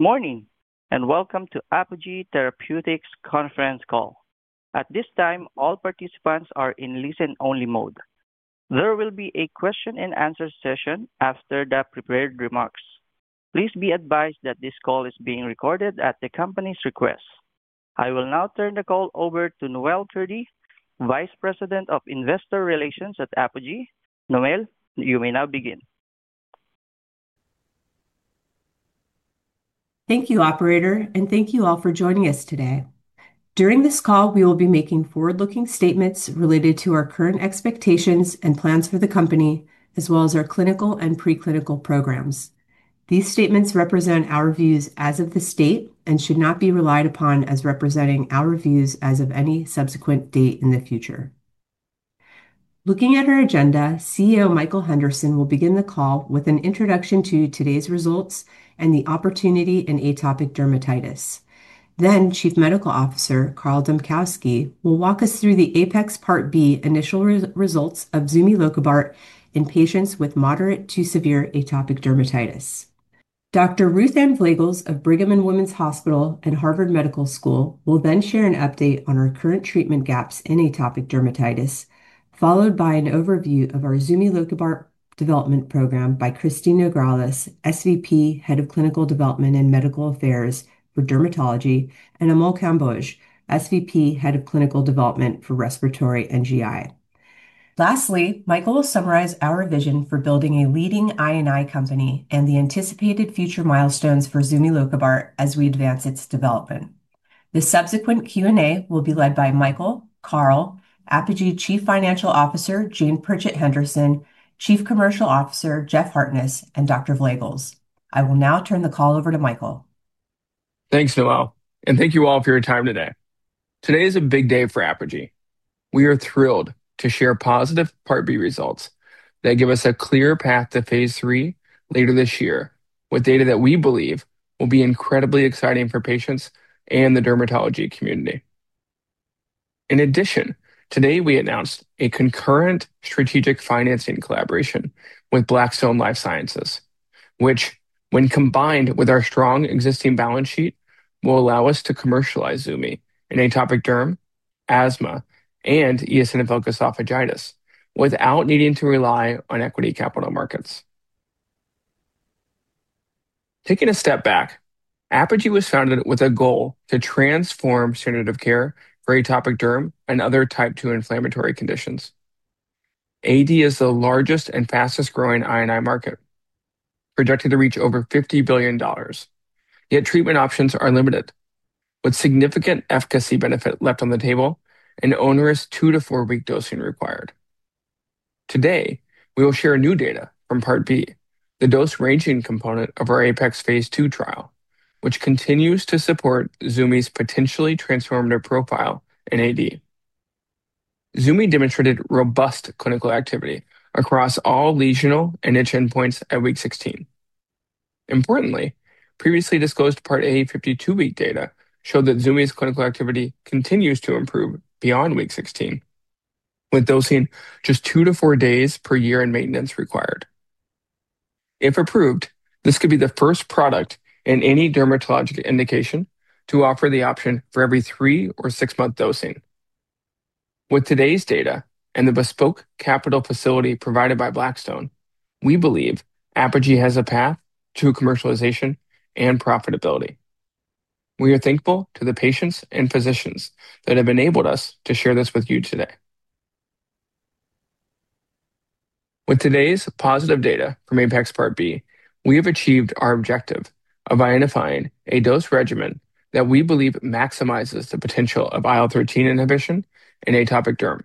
Morning, welcome to Apogee Therapeutics conference call. At this time, all participants are in listen-only mode. There will be a question-and-answer session after the prepared remarks. Please be advised that this call is being recorded at the company's request. I will now turn the call over to Noel Kurdi, Vice President of Investor Relations at Apogee. Noel, you may now begin. Thank you, operator, and thank you all for joining us today. During this call, we will be making forward-looking statements related to our current expectations and plans for the company, as well as our clinical and preclinical programs. These statements represent our views as of this date and should not be relied upon as representing our views as of any subsequent date in the future. Looking at our agenda, CEO Michael Henderson will begin the call with an introduction to today's results and the opportunity in atopic dermatitis. Chief Medical Officer Carl Dambkowski will walk us through the APEX Part B initial results of zumilokibart in patients with moderate to severe atopic dermatitis. Dr. Ruth Ann Vleugels of Brigham and Women's Hospital and Harvard Medical School will then share an update on our current treatment gaps in atopic dermatitis, followed by an overview of our zumilokibart development program by Kristine Nograles, SVP, Head of Clinical Development and Medical Affairs for Dermatology, and Amol Kamboj, SVP, Head of Clinical Development for Respiratory and GI. Michael will summarize our vision for building a leading I&I company and the anticipated future milestones for zumilokibart as we advance its development. The subsequent Q&A will be led by Michael, Carl, Apogee Chief Financial Officer Jane Pritchett Henderson, Chief Commercial Officer Jeff Hartness, and Dr. Vleugels. I will now turn the call over to Michael. Thanks, Noel, and thank you all for your time today. Today is a big day for Apogee. We are thrilled to share positive Part B results that give us a clear path to phase III later this year, with data that we believe will be incredibly exciting for patients and the dermatology community. In addition, today we announced a concurrent strategic financing collaboration with Blackstone Life Sciences, which, when combined with our strong existing balance sheet, will allow us to commercialize Zumi in atopic derm, asthma, and eosinophilic esophagitis without needing to rely on equity capital markets. Taking a step back, Apogee was founded with a goal to transform standard of care for atopic dermatitis and other Type 2 inflammatory conditions. AD is the largest and fastest-growing I&I market, projected to reach over $50 billion, yet treatment options are limited, with significant efficacy benefits left on the table and onerous two-to-four-week dosing required. Today, we will share new data from Part B, the dose-ranging component of our APEX phase II trial, which continues to support Zumi's potentially transformative profile in AD. Zumi demonstrated robust clinical activity across all lesional and itch endpoints at week 16. Importantly, previously disclosed Part A 52-week data showed that Zumi's clinical activity continues to improve beyond week 16, with dosing just two to four days per year in maintenance required. If approved, this could be the first product in any dermatologic indication to offer the option for every three- or six-month dosing. With today's data and the bespoke capital facility provided by Blackstone, we believe Apogee has a path to commercialization and profitability. We are thankful to the patients and physicians that have enabled us to share this with you today. With today's positive data from APEX Part B, we have achieved our objective of identifying a dose regimen that we believe maximizes the potential of IL-13 inhibition in atopic derm.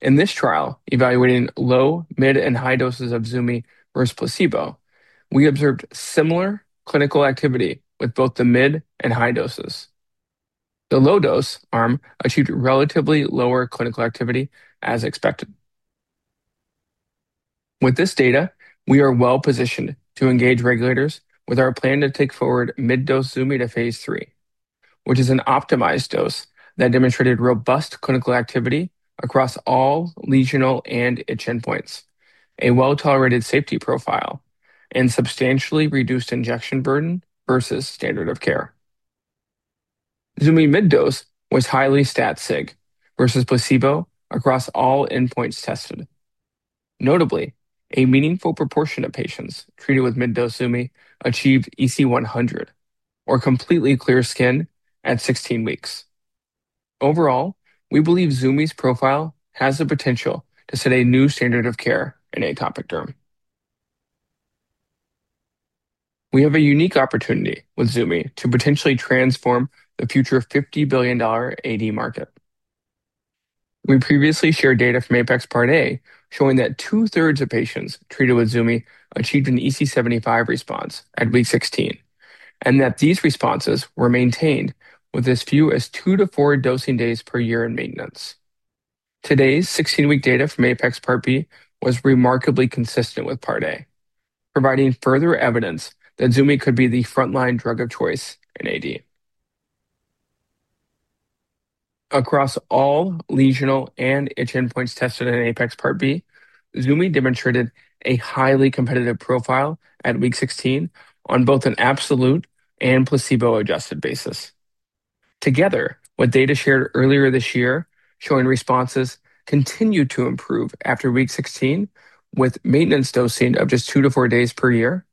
In this trial, evaluating low, mid, and high doses of Zumi versus placebo, we observed similar clinical activity with both the mid and high doses. The low-dose arm achieved relatively lower clinical activity as expected. With this data, we are well-positioned to engage regulators with our plan to take forward mid-dose Zumi to phase III, which is an optimized dose that demonstrated robust clinical activity across all lesional and itch endpoints, a well-tolerated safety profile, and substantially reduced injection burden versus standard of care. Zumi mid-dose was highly statistically significant versus placebo across all endpoints tested. Notably, a meaningful proportion of patients treated with mid-dose Zumi achieved EASI 100 or completely clear skin at 16 weeks. Overall, we believe Zumi's profile has the potential to set a new standard of care in atopic derm. We have a unique opportunity with Zumi to potentially transform the future $50 billion AD market. We previously shared data from APEX Part A showing that two-thirds of patients treated with Zumi achieved an EASI 75 response at week 16, and that these responses were maintained with as few as two to four dosing days per year in maintenance. Today's 16-week data from APEX Part B was remarkably consistent with Part A, providing further evidence that Zumi could be the frontline drug of choice in AD across all lesional and itch endpoints tested in APEX Part B. Zumi demonstrated a highly competitive profile at week 16 on both an absolute and placebo-adjusted basis. Together with data shared earlier this year, showing responses continue to improve after week 16 with maintenance dosing of just two to four days per year,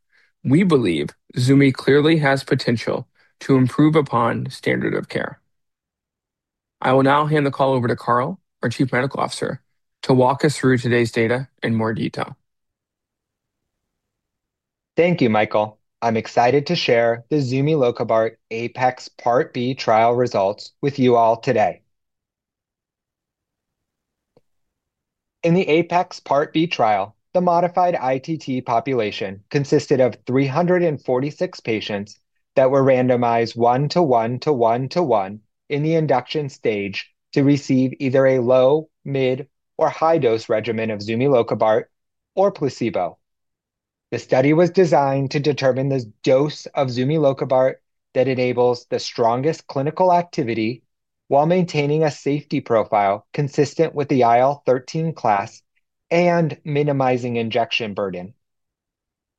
we believe Zumi clearly has the potential to improve upon standard of care. I will now hand the call over to Carl, our Chief Medical Officer, to walk us through today's data in more detail. Thank you, Michael. I'm excited to share the zumilokibart APEX Part B trial results with you all today. In the APEX Part B trial, the modified ITT population consisted of 346 patients that were randomized one to one to one to one in the induction stage to receive either a low, mid, or high-dose regimen of zumilokibart or placebo. The study was designed to determine the dose of zumilokibart that enables the strongest clinical activity while maintaining a safety profile consistent with the IL-13 class and minimizing injection burden.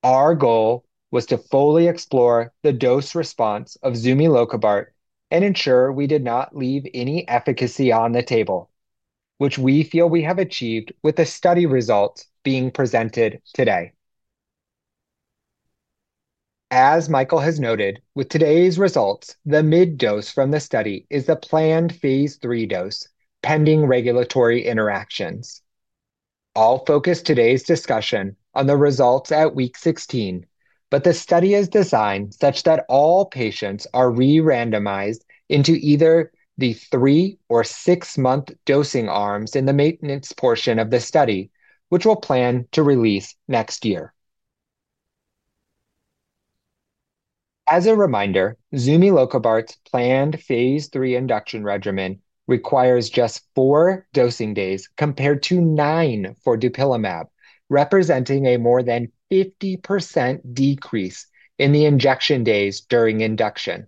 Our goal was to fully explore the dose response of zumilokibart and ensure we did not leave any efficacy on the table, which we feel we have achieved with the study results being presented today. As Michael has noted, with today's results, the mid-dose from the study is the planned phase III dose, pending regulatory interactions. I'll focus today's discussion on the results at week 16, but the study is designed such that all patients are re-randomized into either the three or six-month dosing arms in the maintenance portion of the study, which we'll plan to release next year. As a reminder, zumilokibart's planned phase III induction regimen requires just four dosing days, compared to nine for dupilumab, representing a more than 50% decrease in the injection days during induction.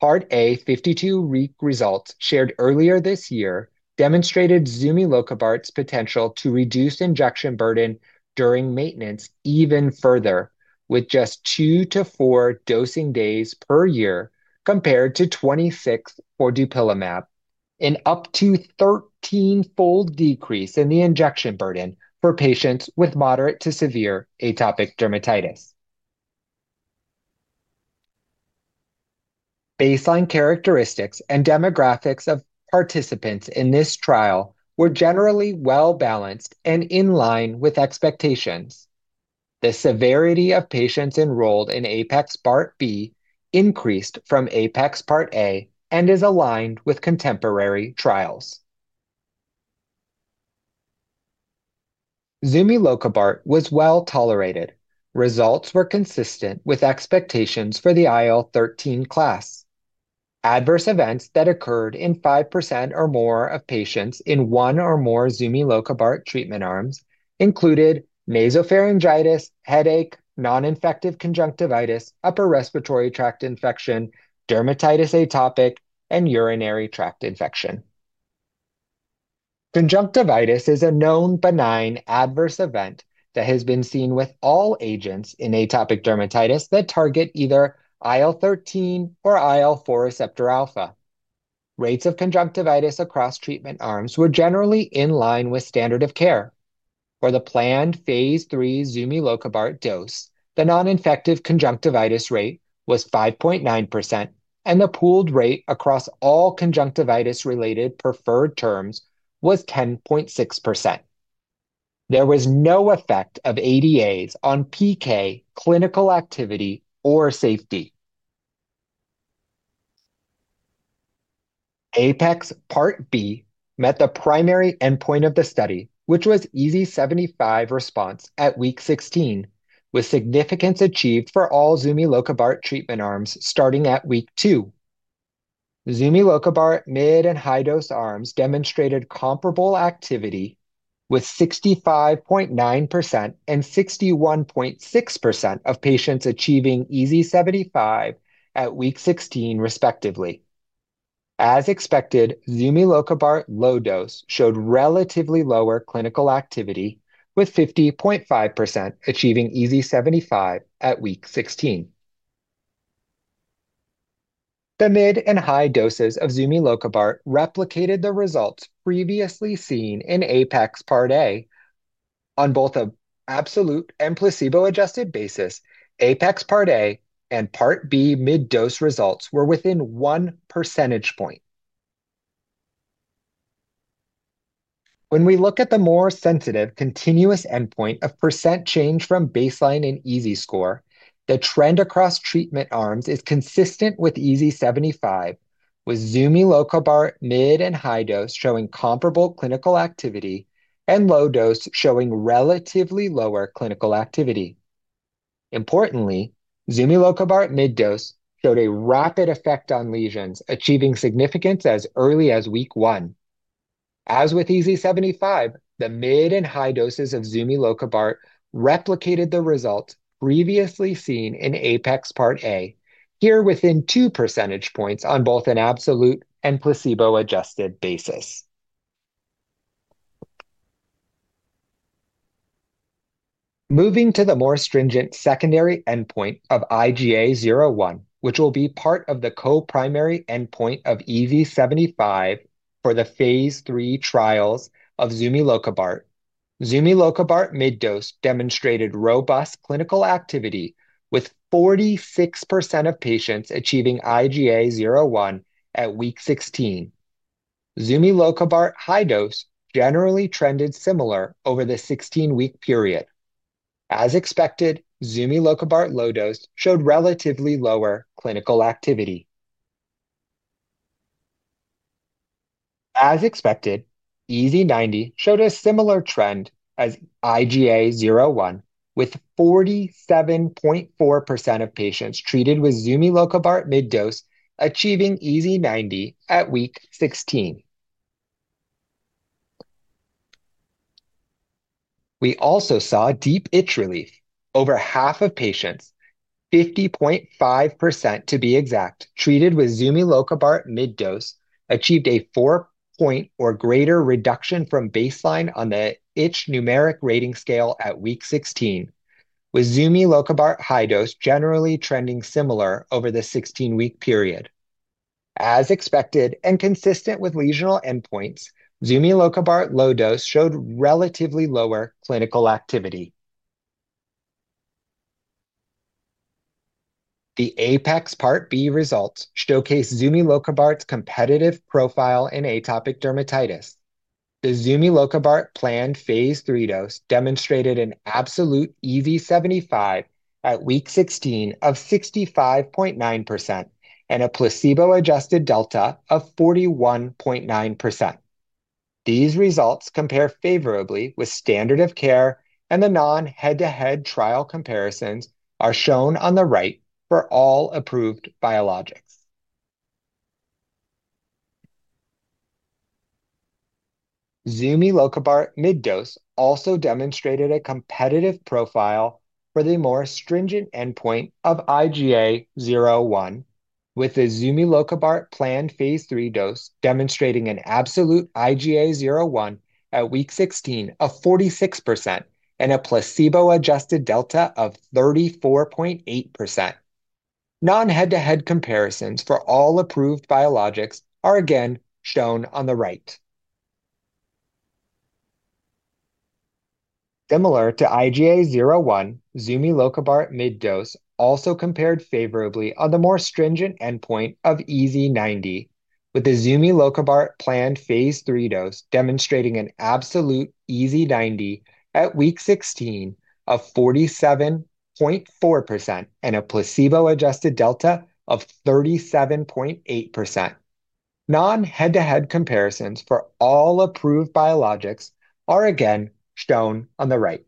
Part A 52-week results shared earlier this year demonstrated zumilokibart's potential to reduce injection burden during maintenance even further, with just two to four dosing days per year compared to 26 for dupilumab, an up to 13-fold decrease in the injection burden for patients with moderate to severe atopic dermatitis. Baseline characteristics and demographics of participants in this trial were generally well-balanced and in line with expectations. The severity of patients enrolled in APEX Part B increased from APEX Part A and is aligned with contemporary trials. Zumilokibart was well-tolerated. Results were consistent with expectations for the IL-13 class. Adverse events that occurred in 5% or more of patients in one or more zumilokibart treatment arms included nasopharyngitis, headache, non-infective conjunctivitis, upper respiratory tract infection, atopic dermatitis, and urinary tract infection. Conjunctivitis is a known benign adverse event that has been seen with all agents in atopic dermatitis that target either IL-13 or IL-4 receptor alpha. Rates of conjunctivitis across treatment arms were generally in line with standard of care. For the planned phase III zumilokibart dose, the non-infective conjunctivitis rate was 5.9%, and the pooled rate across all conjunctivitis-related preferred terms was 10.6%. There was no effect of ADAs on PK, clinical activity, or safety. APEX Part B met the primary endpoint of the study, which was EASI-75 response at week 16, with significance achieved for all zumilokibart treatment arms starting at week two. Zumilokibart mid- and high-dose arms demonstrated comparable activity with 65.9% and 61.6% of patients achieving EASI-75 at week 16, respectively. As expected, zumilokibart low dose showed relatively lower clinical activity, with 50.5% achieving EASI-75 at week 16. The mid and high doses of zumilokibart replicated the results previously seen in APEX Part A. On both an absolute and placebo-adjusted basis, APEX Part A and Part B mid-dose results were within one percentage point. When we look at the more sensitive, continuous endpoint of percentage change from baseline in EASI score, the trend across treatment arms is consistent with EASI-75, with zumilokibart mid and high doses showing comparable clinical activity and low doses showing relatively lower clinical activity. Importantly, zumilokibart mid-dose showed a rapid effect on lesions, achieving significance as early as week one. As with EASI-75, the mid and high doses of zumilokibart replicated the result previously seen in APEX Part A, here within two percentage points on both an absolute and placebo-adjusted basis. Moving to the more stringent secondary endpoint of IGA 0/1, which will be part of the co-primary endpoint of EASI-75 for the phase III trials of zumilokibart. zumilokibart mid-dose demonstrated robust clinical activity with 46% of patients achieving IGA 0/1 at week 16. zumilokibart high dose generally trended similarly over the 16-week period. As expected, zumilokibart low dose showed relatively lower clinical activity. As expected, EASI-90 showed a similar trend as IGA 0/1, with 47.4% of patients treated with zumilokibart mid-dose achieving EASI-90 at week 16. We also saw deep itch relief. Over half of patients, 50.5% to be exact, treated with the mid-dose of zumilokibart achieved a four-point or greater reduction from baseline on the itch Numerical Rating Scale at week 16, with zumilokibart high dose generally trending similarly over the 16-week period. As expected, and consistent with lesional endpoints, zumilokibart low dose showed relatively lower clinical activity. The APEX Part B results showcase zumilokibart's competitive profile in atopic dermatitis. The zumilokibart planned phase III dose demonstrated an absolute EASI-75 at week 16 of 65.9% and a placebo-adjusted delta of 41.9%. These results compare favorably with standard of care. The non-head-to-head trial comparisons are shown on the right for all approved biologics. zumilokibart mid-dose also demonstrated a competitive profile for the more stringent endpoint of IGA 0/1, with the zumilokibart planned phase III dose demonstrating an absolute IGA 0/1 at week 16 of 46% and a placebo-adjusted delta of 34.8%. Non-head-to-head comparisons for all approved biologics are again shown on the right. Similar to IGA 0/1, zumilokibart mid-dose also compared favorably on the more stringent endpoint of EASI-90, with the zumilokibart planned phase III dose demonstrating an absolute EASI-90 at week 16 of 47.4% and a placebo-adjusted delta of 37.8%. Non-head-to-head comparisons for all approved biologics are again shown on the right.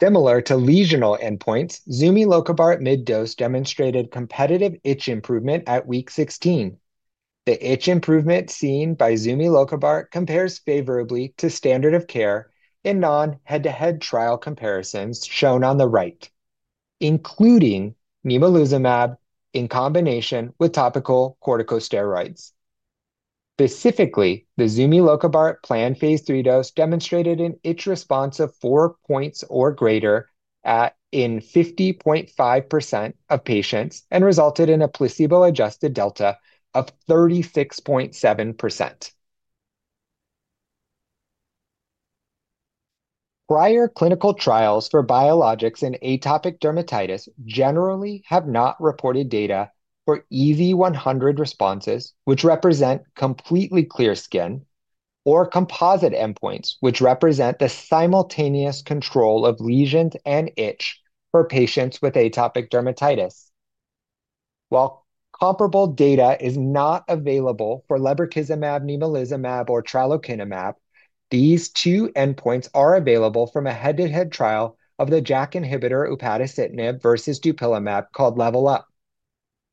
Similar to lesional endpoints, zumilokibart mid-dose demonstrated competitive itch improvement at week 16. The itch improvement seen by zumilokibart compares favorably to standard of care in non-head-to-head trial comparisons shown on the right, including nemolizumab in combination with topical corticosteroids. Specifically, the zumilokibart planned phase III dose demonstrated an itch response of four points or greater in 50.5% of patients and resulted in a placebo-adjusted delta of 36.7%. Prior clinical trials for biologics and atopic dermatitis generally have not reported data for EASI-100 responses, which represent completely clear skin, or composite endpoints, which represent the simultaneous control of lesions and itch for patients with atopic dermatitis. While comparable data is not available for lebrikizumab, nemolizumab, or tralokinumab, these two endpoints are available from a head-to-head trial of the JAK inhibitor upadacitinib versus dupilumab called LEVEL UP.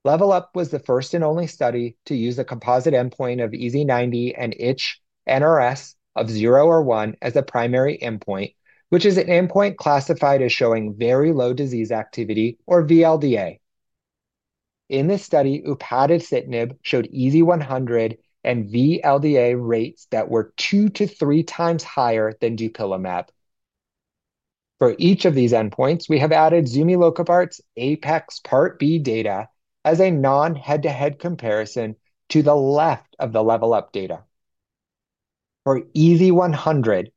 LEVEL UP was the first and only study to use a composite endpoint of EASI-90 and itch NRS of 0 or 1 as a primary endpoint, which is an endpoint classified as showing very low disease activity, or VLDA. In this study, upadacitinib showed EASI-100 and VLDA rates that were two to three times higher than dupilumab. For each of these endpoints, we have added zumilokibart's APEX Part B data as a non-head-to-head comparison to the left of the LEVEL UP data. For EASI-100,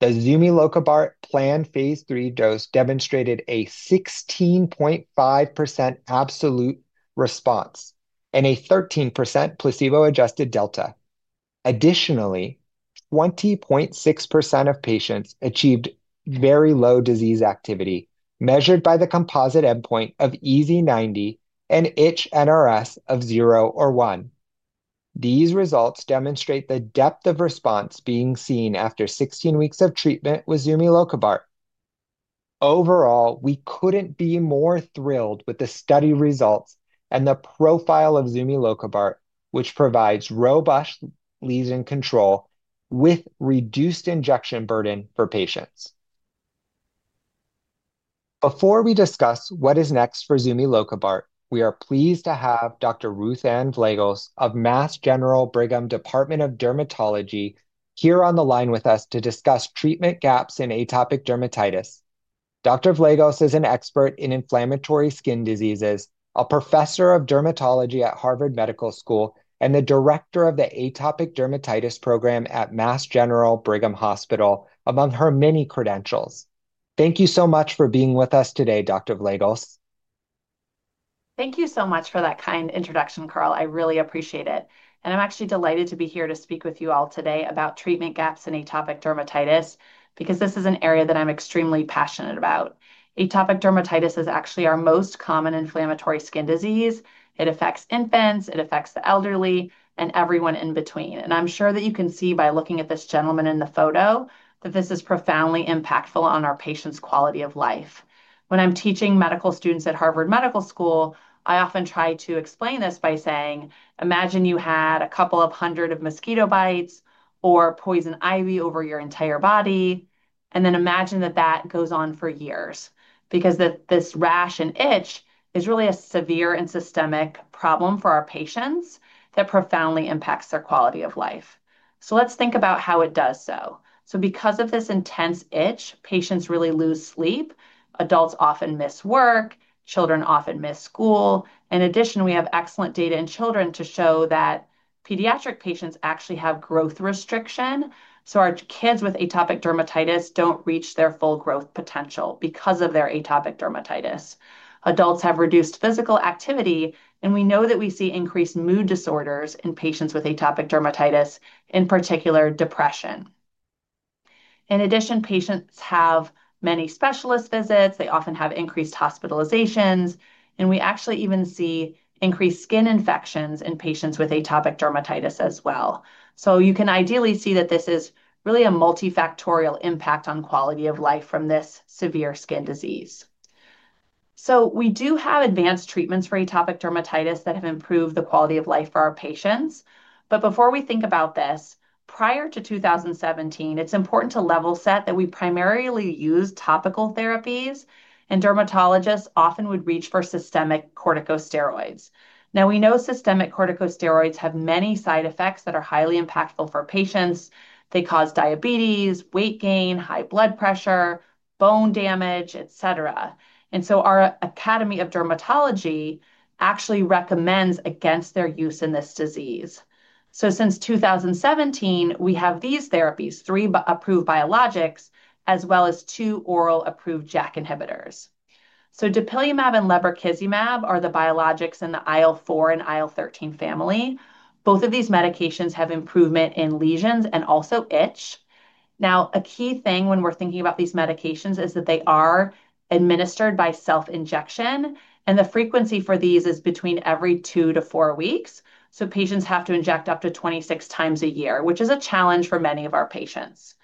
the zumilokibart planned phase III dose demonstrated a 16.5% absolute response and a 13% placebo-adjusted delta. Additionally, 20.6% of patients achieved very low disease activity, measured by the composite endpoint of EASI-90 and itch NRS of zero or one. These results demonstrate the depth of response being seen after 16 weeks of treatment with zumilokibart. We couldn't be more thrilled with the study results and the profile of zumilokibart, which provides robust lesion control with reduced injection burden for patients. Before we discuss what is next for zumilokibart, we are pleased to have Dr. Ruth Ann Vleugels of Mass General Brigham Department of Dermatology here on the line with us to discuss treatment gaps in atopic dermatitis. Dr. Vleugels is an expert in inflammatory skin diseases, a Professor of dermatology at Harvard Medical School, and the Director of the Atopic Dermatitis Program at Mass General Brigham Hospital, among her many credentials. Thank you so much for being with us today, Dr. Vleugels. Thank you so much for that kind introduction, Carl. I really appreciate it, and I'm actually delighted to be here to speak with you all today about treatment gaps in atopic dermatitis, because this is an area that I'm extremely passionate about. Atopic dermatitis is actually our most common inflammatory skin disease. It affects infants, it affects the elderly, and everyone in between. I'm sure that you can see by looking at this gentleman in the photo that this is profoundly impactful on our patients' quality of life. When I'm teaching medical students at Harvard Medical School, I often try to explain this by saying, Imagine you had a couple of hundred of mosquito bites or poison ivy over your entire body, and then imagine that that goes on for years. This rash and itch is really a severe and systemic problem for our patients that profoundly impacts their quality of life. Let's think about how it does so. Because of this intense itch, patients really lose sleep; adults often miss work; children often miss school. In addition, we have excellent data in children to show that pediatric patients actually have growth restriction. Our kids with atopic dermatitis don't reach their full growth potential because of their atopic dermatitis. Adults have reduced physical activity; we know that we see increased mood disorders in patients with atopic dermatitis, in particular, depression. In addition, patients have many specialist visits. They often have increased hospitalizations, and we actually even see increased skin infections in patients with atopic dermatitis as well. You can ideally see that this is really a multifactorial impact on quality of life from this severe skin disease. Before we think about this, prior to 2017, it's important to level set that we primarily used topical therapies, and dermatologists often would reach for systemic corticosteroids. We know systemic corticosteroids have many side effects that are highly impactful for patients. They cause diabetes, weight gain, high blood pressure, bone damage, et cetera. Our Academy of Dermatology actually recommends against their use in this disease. Since 2017, we have had these therapies: three approved biologics, as well as two orally approved JAK inhibitors. Dupilumab and lebrikizumab are the biologics in the IL-4 and IL-13 family. Both of these medications have improved lesions and also itch. Now, a key thing when we're thinking about these medications is that they are administered by self-injection, and the frequency for these is between every two to four weeks. Patients have to inject up to 26x a year, which is a challenge for many of our patients.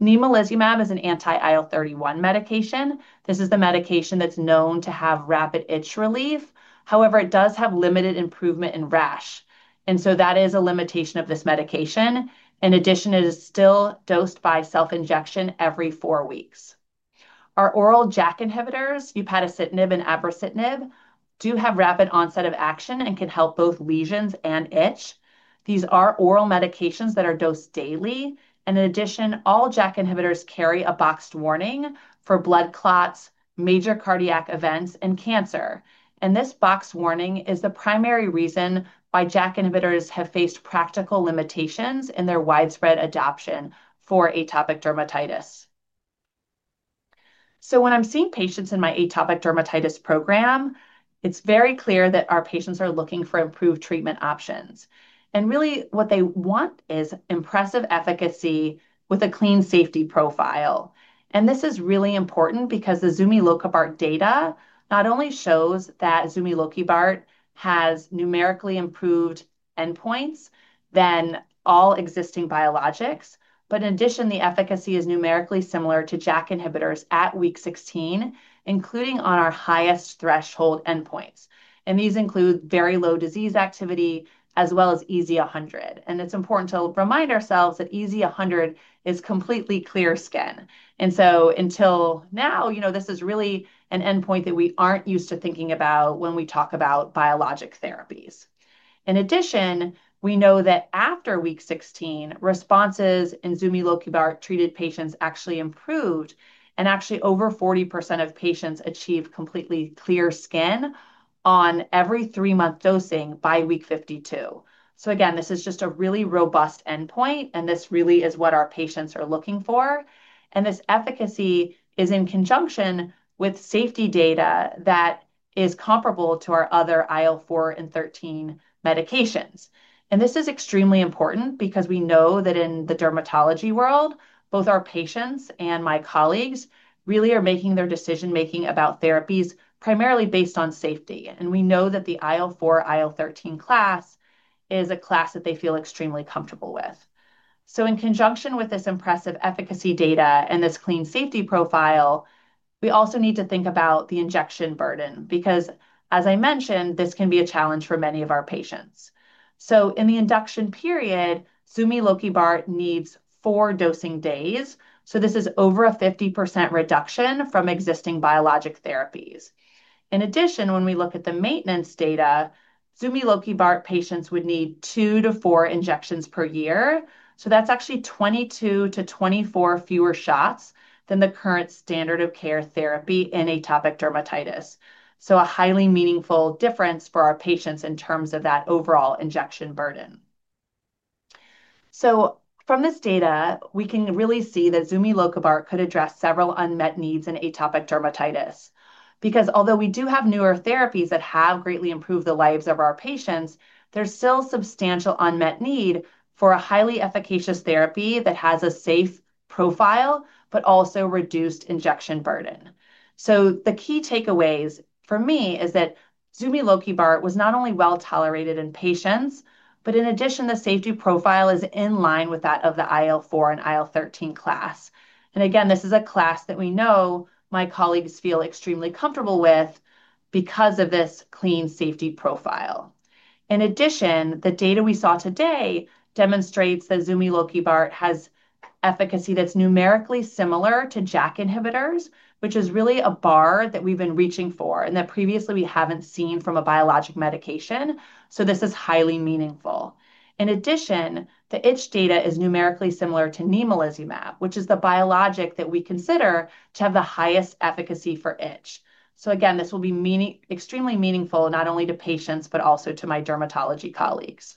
Nemolizumab is an anti-IL-31 medication. This is the medication that's known to have rapid itch relief. However, it does have limited improvement in rash, and so that is a limitation of this medication. In addition, it is still dosed by self-injection every four weeks. Our oral JAK inhibitors, upadacitinib and abrocitinib, do have rapid onset of action and can help both lesions and itch. These are oral medications that are dosed daily. In addition, all JAK inhibitors carry a boxed warning for blood clots, major cardiac events, and cancer. This boxed warning is the primary reason why JAK inhibitors have faced practical limitations in their widespread adoption for atopic dermatitis. When I'm seeing patients in my atopic dermatitis program, it's very clear that our patients are looking for improved treatment options. Really what they want is impressive efficacy with a clean safety profile. This is really important because the zumilokibart data not only shows that zumilokibart has numerically improved endpoints than all existing biologics, but in addition, the efficacy is numerically similar to JAK inhibitors at week 16, including on our highest threshold endpoints. These include very low disease activity, as well as EASI 100. It is important to remind ourselves that EASI 100 is completely clear skin. Until now, this is really an endpoint that we are not used to thinking about when we talk about biologic therapies. In addition, we know that after week 16, responses in zumilokibart-treated patients actually improved, and actually, over 40% of patients achieved completely clear skin on every three-month dosing by week 52. Again, this is just a really robust endpoint, and this really is what our patients are looking for. This efficacy is in conjunction with safety data that is comparable to our other IL-4 and 13 medications. This is extremely important because we know that in the dermatology world, both our patients and my colleagues really are making their decision-making about therapies primarily based on safety. We know that the IL-4, IL-13 class is a class that they feel extremely comfortable with. In conjunction with this impressive efficacy data and this clean safety profile, we also need to think about the injection burden because, as I mentioned, this can be a challenge for many of our patients. In the induction period, zumilokibart needs four dosing days, so this is over a 50% reduction from existing biologic therapies. In addition, when we look at the maintenance data, zumilokibart patients would need two-four injections per year. That's actually 22-24 fewer shots than the current standard of care therapy in atopic dermatitis. A highly meaningful difference for our patients in terms of that overall injection burden. From this data, we can really see that zumilokibart could address several unmet needs in atopic dermatitis. Although we do have newer therapies that have greatly improved the lives of our patients, there's still substantial unmet need for a highly efficacious therapy that has a safe profile, but also reduced injection burden. The key takeaways for me are that zumilokibart was not only well-tolerated in patients, but in addition, the safety profile is in line with that of the IL-4 and IL-13 class. Again, this is a class that we know my colleagues feel extremely comfortable with because of this clean safety profile. In addition, the data we saw today demonstrates that zumilokibart has efficacy that's numerically similar to JAK inhibitors, which is really a bar that we've been reaching for, and that previously we have not seen from a biologic medication. This is highly meaningful. In addition, the itch data is numerically similar to nemolizumab, which is the biologic that we consider to have the highest efficacy for itch. Again, this will be extremely meaningful, not only to patients but also to my dermatology colleagues.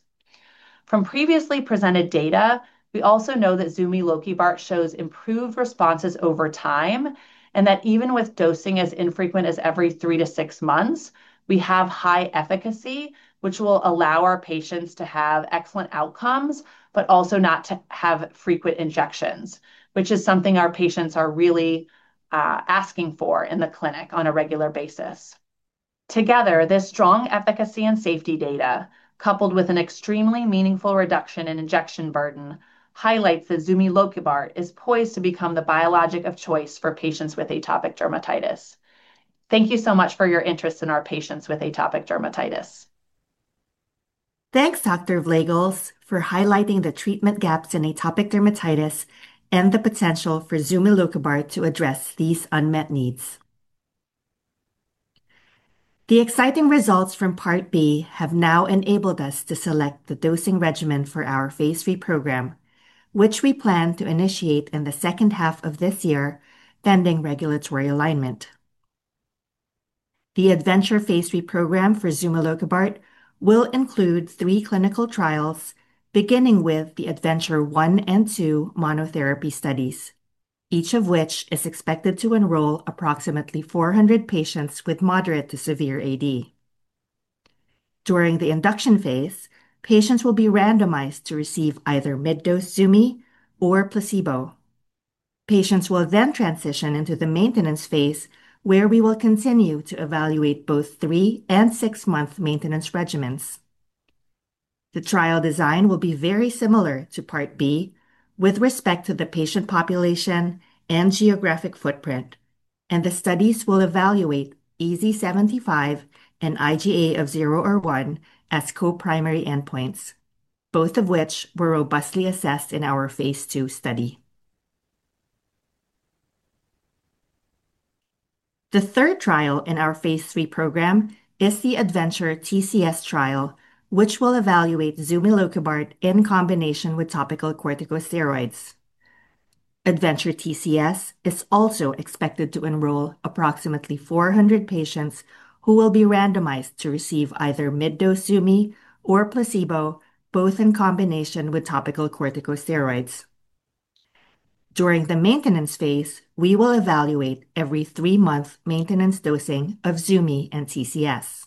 From previously presented data, we also know that zumilokibart shows improved responses over time, and that even with dosing as infrequent as every three to six months, we have high efficacy, which will allow our patients to have excellent outcomes, but also not to have frequent injections, which is something our patients are really asking for in the clinic on a regular basis. Together, this strong efficacy and safety data, coupled with an extremely meaningful reduction in injection burden, highlights that zumilokibart is poised to become the biologic of choice for patients with atopic dermatitis. Thank you so much for your interest in our patients with atopic dermatitis. Thanks, Dr. Vleugels, for highlighting the treatment gaps in atopic dermatitis and the potential for zumilokibart to address these unmet needs. The exciting results from Part B have now enabled us to select the dosing regimen for our phase III program, which we plan to initiate in the second half of this year, pending regulatory alignment. The ADventure phase III program for zumilokibart will include three clinical trials, beginning with the ADventure 1 and 2 monotherapy studies, each of which is expected to enroll approximately 400 patients with moderate to severe AD. During the induction phase, patients will be randomized to receive either mid-dose Zumi or a placebo. Patients will then transition into the maintenance phase, where we will continue to evaluate both three and six-month maintenance regimens. The trial design will be very similar to Part B with respect to the patient population and geographic footprint, and the studies will evaluate EASI-75 and IGA 0/1 as co-primary endpoints, both of which were robustly assessed in our phase II study. The third trial in our phase III program is the ADventure TCS trial, which will evaluate zumilokibart in combination with topical corticosteroids. ADventure TCS is also expected to enroll approximately 400 patients who will be randomized to receive either mid-dose Zumi or placebo, both in combination with topical corticosteroids. During the maintenance phase, we will evaluate every three-month maintenance dosing of Zumi and TCS.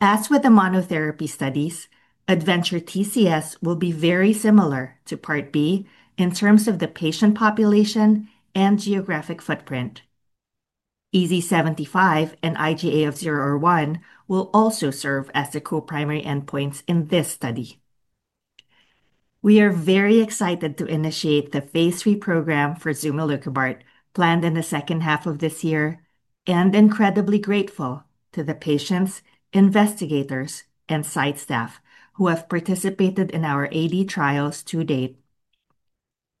As with the monotherapy studies, ADventure TCS will be very similar to Part B in terms of the patient population and geographic footprint. EASI-75 and IGA 0/1 will also serve as the co-primary endpoints in this study. We are very excited to initiate the phase III program for zumilokibart planned in the second half of this year, incredibly grateful to the patients, investigators, and site staff who have participated in our AD trials to date.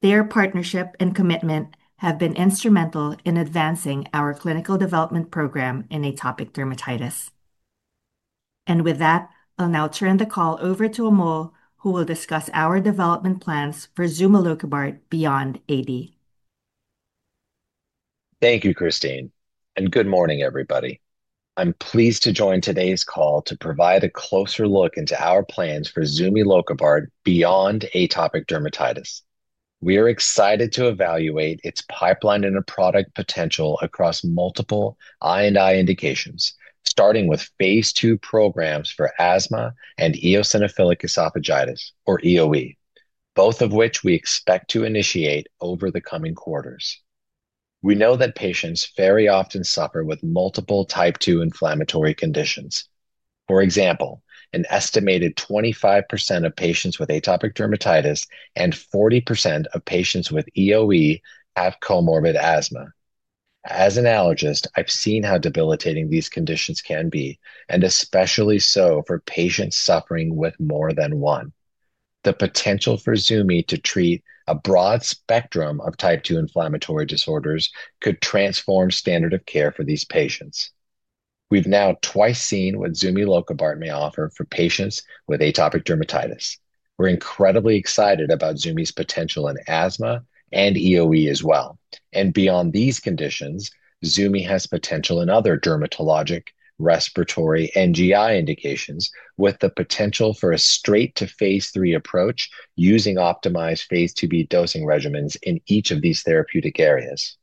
Their partnership and commitment have been instrumental in advancing our clinical development program in atopic dermatitis. With that, I'll now turn the call over to Amol, who will discuss our development plans for zumilokibart beyond AD. Thank you, Kristine. Good morning, everybody. I'm pleased to join today's call to provide a closer look into our plans for zumilokibart beyond atopic dermatitis. We are excited to evaluate its pipeline and product potential across multiple I&I indications, starting with phase II programs for asthma and eosinophilic esophagitis, or EoE, both of which we expect to initiate over the coming quarters. We know that patients very often suffer with multiple Type 2 inflammatory conditions. For example, an estimated 25% of patients with atopic dermatitis and 40% of patients with EoE have comorbid asthma. As an allergist, I've seen how debilitating these conditions can be, and especially so for patients suffering with more than one. The potential for Zumi to treat a broad spectrum of Type 2 inflammatory disorders could transform standard of care for these patients. We've now twice seen what zumilokibart may offer for patients with atopic dermatitis. We're incredibly excited about Zumi's potential in asthma and EoE as well. Beyond these conditions, Zumi has potential in other dermatologic, respiratory, and GI indications with the potential for a straight to phase III approach using optimized phase IIb dosing regimens in each of these therapeutic areas.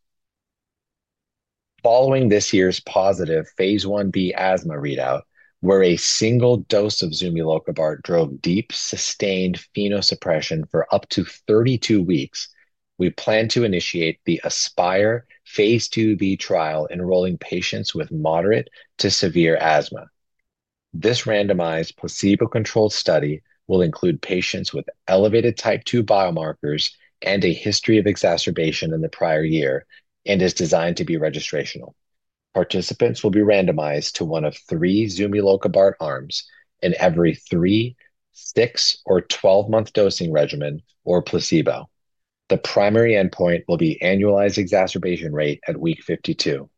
Following this year's positive phase I-B asthma readout, where a single dose of zumilokibart drove deep, sustained FeNO suppression for up to 32 weeks, we plan to initiate the ASPIRE phase II-B trial enrolling patients with moderate to severe asthma. This randomized placebo-controlled study will include patients with elevated Type 2 biomarkers and a history of exacerbation in the prior year and is designed to be registrational. Participants will be randomized to one of three zumilokibart arms in every 3, 6, or 12-month dosing regimen or placebo. The primary endpoint will be annualized exacerbation rate at week 52.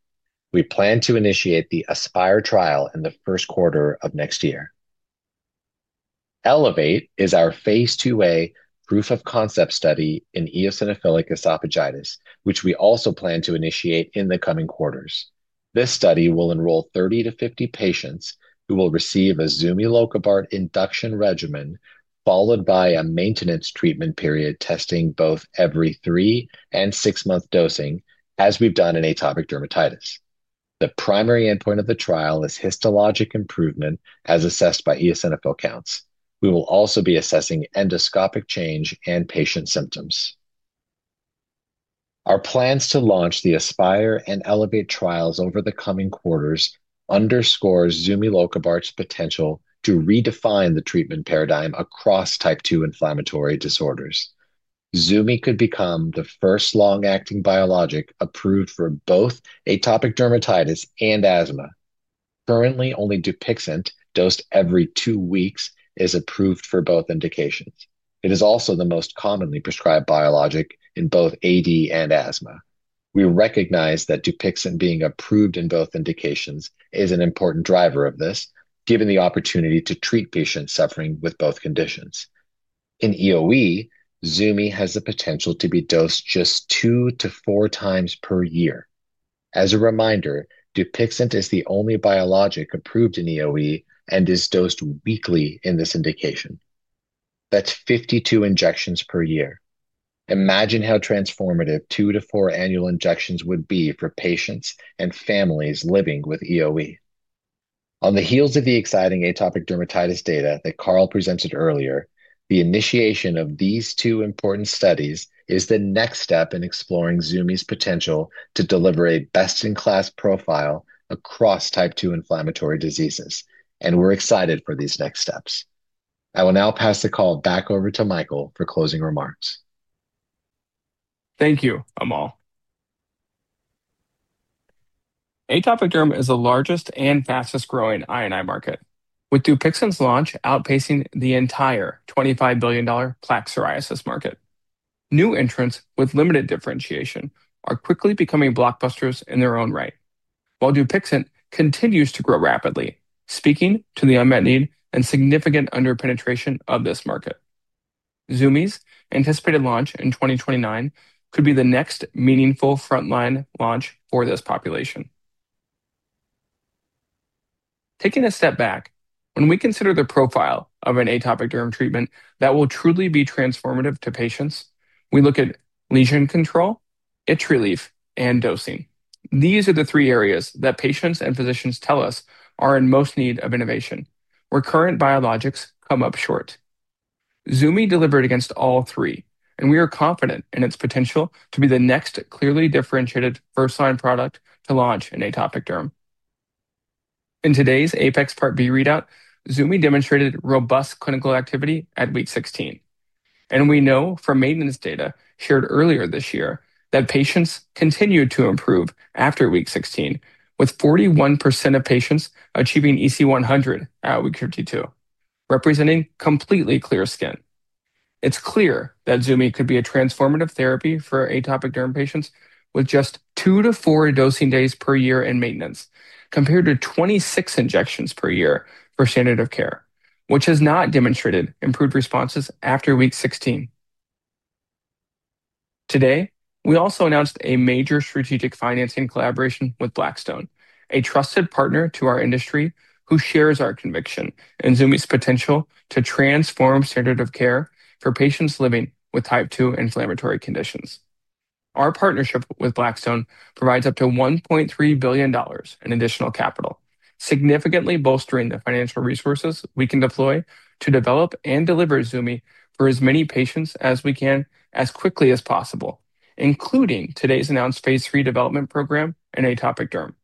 We plan to initiate the ASPIRE trial in the first quarter of next year. ELEVATE is our phase II-A proof of concept study in eosinophilic esophagitis, which we also plan to initiate in the coming quarters. This study will enroll 30-50 patients who will receive a zumilokibart induction regimen, followed by a maintenance treatment period, testing both every three- and six-month dosing as we've done in atopic dermatitis. The primary endpoint of the trial is histologic improvement as assessed by eosinophil counts. We will also be assessing endoscopic change and patient symptoms. Our plans to launch the ASPIRE and ELEVATE trials over the coming quarters underscore zumilokibart's potential to redefine the treatment paradigm across Type 2 inflammatory disorders. Zumilokibart could become the first long-acting biologic approved for both atopic dermatitis and asthma. Currently, only Dupixent, dosed every two weeks, is approved for both indications. It is also the most commonly prescribed biologic in both AD and asthma. We recognize that Dupixent being approved in both indications is an important driver of this, given the opportunity to treat patients suffering with both conditions. In EoE, zumilokibart has the potential to be dosed just 2x-4x per year. As a reminder, Dupixent is the only biologic approved in EoE and is dosed weekly in this indication. That's 52 injections per year. Imagine how transformative two-four annual injections would be for patients and families living with EoE. On the heels of the exciting atopic dermatitis data that Carl presented earlier, the initiation of these two important studies is the next step in exploring Zumi's potential to deliver a best-in-class profile across Type 2 inflammatory diseases, and we're excited for these next steps. I will now pass the call back over to Michael for closing remarks. Thank you, Amol. Atopic derm is the largest and fastest-growing I&I market, with Dupixent's launch outpacing the entire $25 billion plaque psoriasis market. New entrants with limited differentiation are quickly becoming blockbusters in their own right. While Dupixent continues to grow rapidly, it speaks to the unmet need and significant under-penetration of this market. Zumi's anticipated launch in 2029 could be the next meaningful frontline launch for this population. Taking a step back, when we consider the profile of an atopic derm treatment that will truly be transformative to patients, we look at lesion control, itch relief, and dosing. These are the three areas that patients and physicians tell us are in most need of innovation, where current biologics come up short. Zumi delivered against all three, and we are confident in its potential to be the next clearly differentiated first-line product to launch in atopic derm. In today's APEX Part B readout, Zumi demonstrated robust clinical activity at week 16, and we know from maintenance data shared earlier this year that patients continued to improve after week 16, with 41% of patients achieving EASI-100 at week 52, representing completely clear skin. It's clear that Zumi could be a transformative therapy for atopic derm patients with just two to four dosing days per year in maintenance, compared to 26 injections per year for standard of care, which has not demonstrated improved responses after week 16. Today, we also announced a major strategic financing collaboration with Blackstone, a trusted partner to our industry who shares our conviction in Zumi's potential to transform standard of care for patients living with Type 2 inflammatory conditions. Our partnership with Blackstone provides up to $1.3 billion in additional capital, significantly bolstering the financial resources we can deploy to develop and deliver Zumi for as many patients as we can as quickly as possible, including today's announced phase III development program in atopic derm.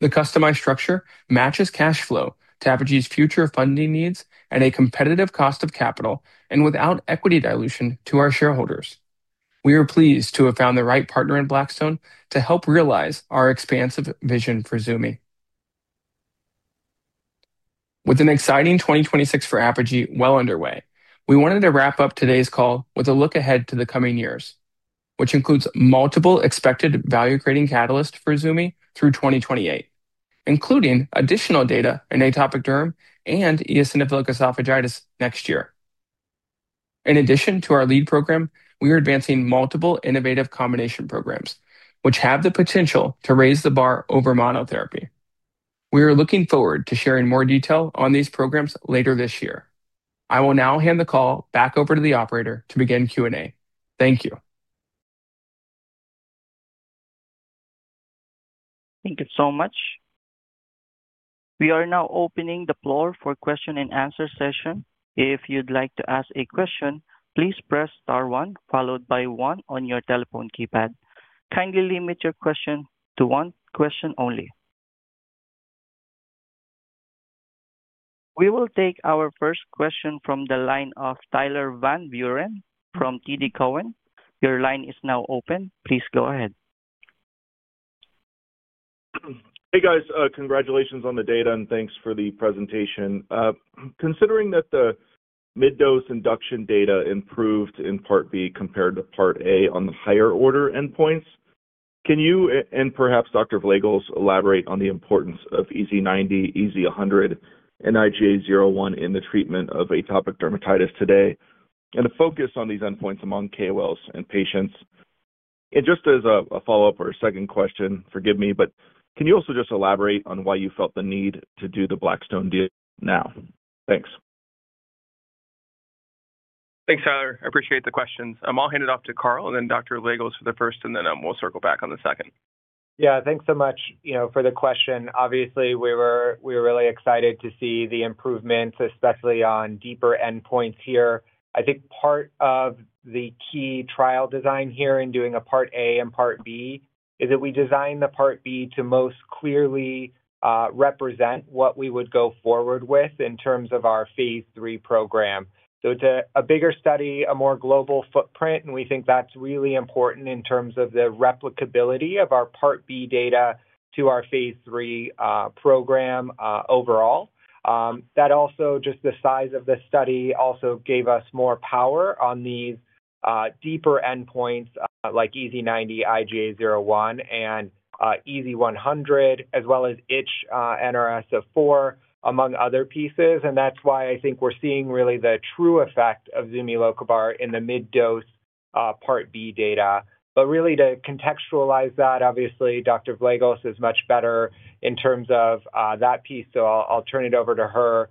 The customized structure matches cash flow to Apogee's future funding needs at a competitive cost of capital and without equity dilution to our shareholders. We are pleased to have found the right partner in Blackstone to help realize our expansive vision for Zumi. With an exciting 2026 for Apogee well underway, we wanted to wrap up today's call with a look ahead to the coming years, which includes multiple expected value-creating catalysts for Zumi through 2028, including additional data in atopic derm and eosinophilic esophagitis next year. In addition to our lead program, we are advancing multiple innovative combination programs, which have the potential to raise the bar over monotherapy. We are looking forward to sharing more detail on these programs later this year. I will now hand the call back over to the operator to begin Q&A. Thank you. Thank you so much. We are now opening the floor for question and answer session. If you'd like to ask a question, please press star one followed by one on your telephone keypad. Kindly limit your question to one question only. We will take our first question from the line of Tyler Van Buren from TD Cowen. Your line is now open. Please go ahead. Hey, guys. Congratulations on the data, and thanks for the presentation. Considering that the mid-dose induction data improved in Part B compared to Part A on the higher-order endpoints, can you and perhaps Dr. Vleugels elaborate on the importance of EASI-90, EASI-100, and IGA 0/1 in the treatment of atopic dermatitis today and the focus on these endpoints among KOLs and patients? Just as a follow-up or a second question, forgive me, but can you also just elaborate on why you felt the need to do the Blackstone deal now? Thanks. Thanks, Tyler. I appreciate the questions. I'll hand it off to Carl and then Dr. Vleugels for the first, and then we'll circle back on the second. Yeah. Thanks so much for the question. Obviously, we were really excited to see the improvements, especially on deeper endpoints here. I think part of the key trial design here in doing a Part A and Part B is that we designed Part B to most clearly represent what we would go forward with in terms of our phase III program. It's a bigger study, a more global footprint, and we think that's really important in terms of the replicability of our Part B data to our phase III program overall. That also, just the size of the study, also gave us more power on these deeper endpoints, like EASI-90, IGA 0/1, and EASI-100, as well as itch NRS of four, among other pieces. That's why I think we're seeing really the true effect of zumilokibart in the mid-dose Part B data. Really to contextualize that, obviously, Dr. Vleugels is much better in terms of that piece, so I'll turn it over to her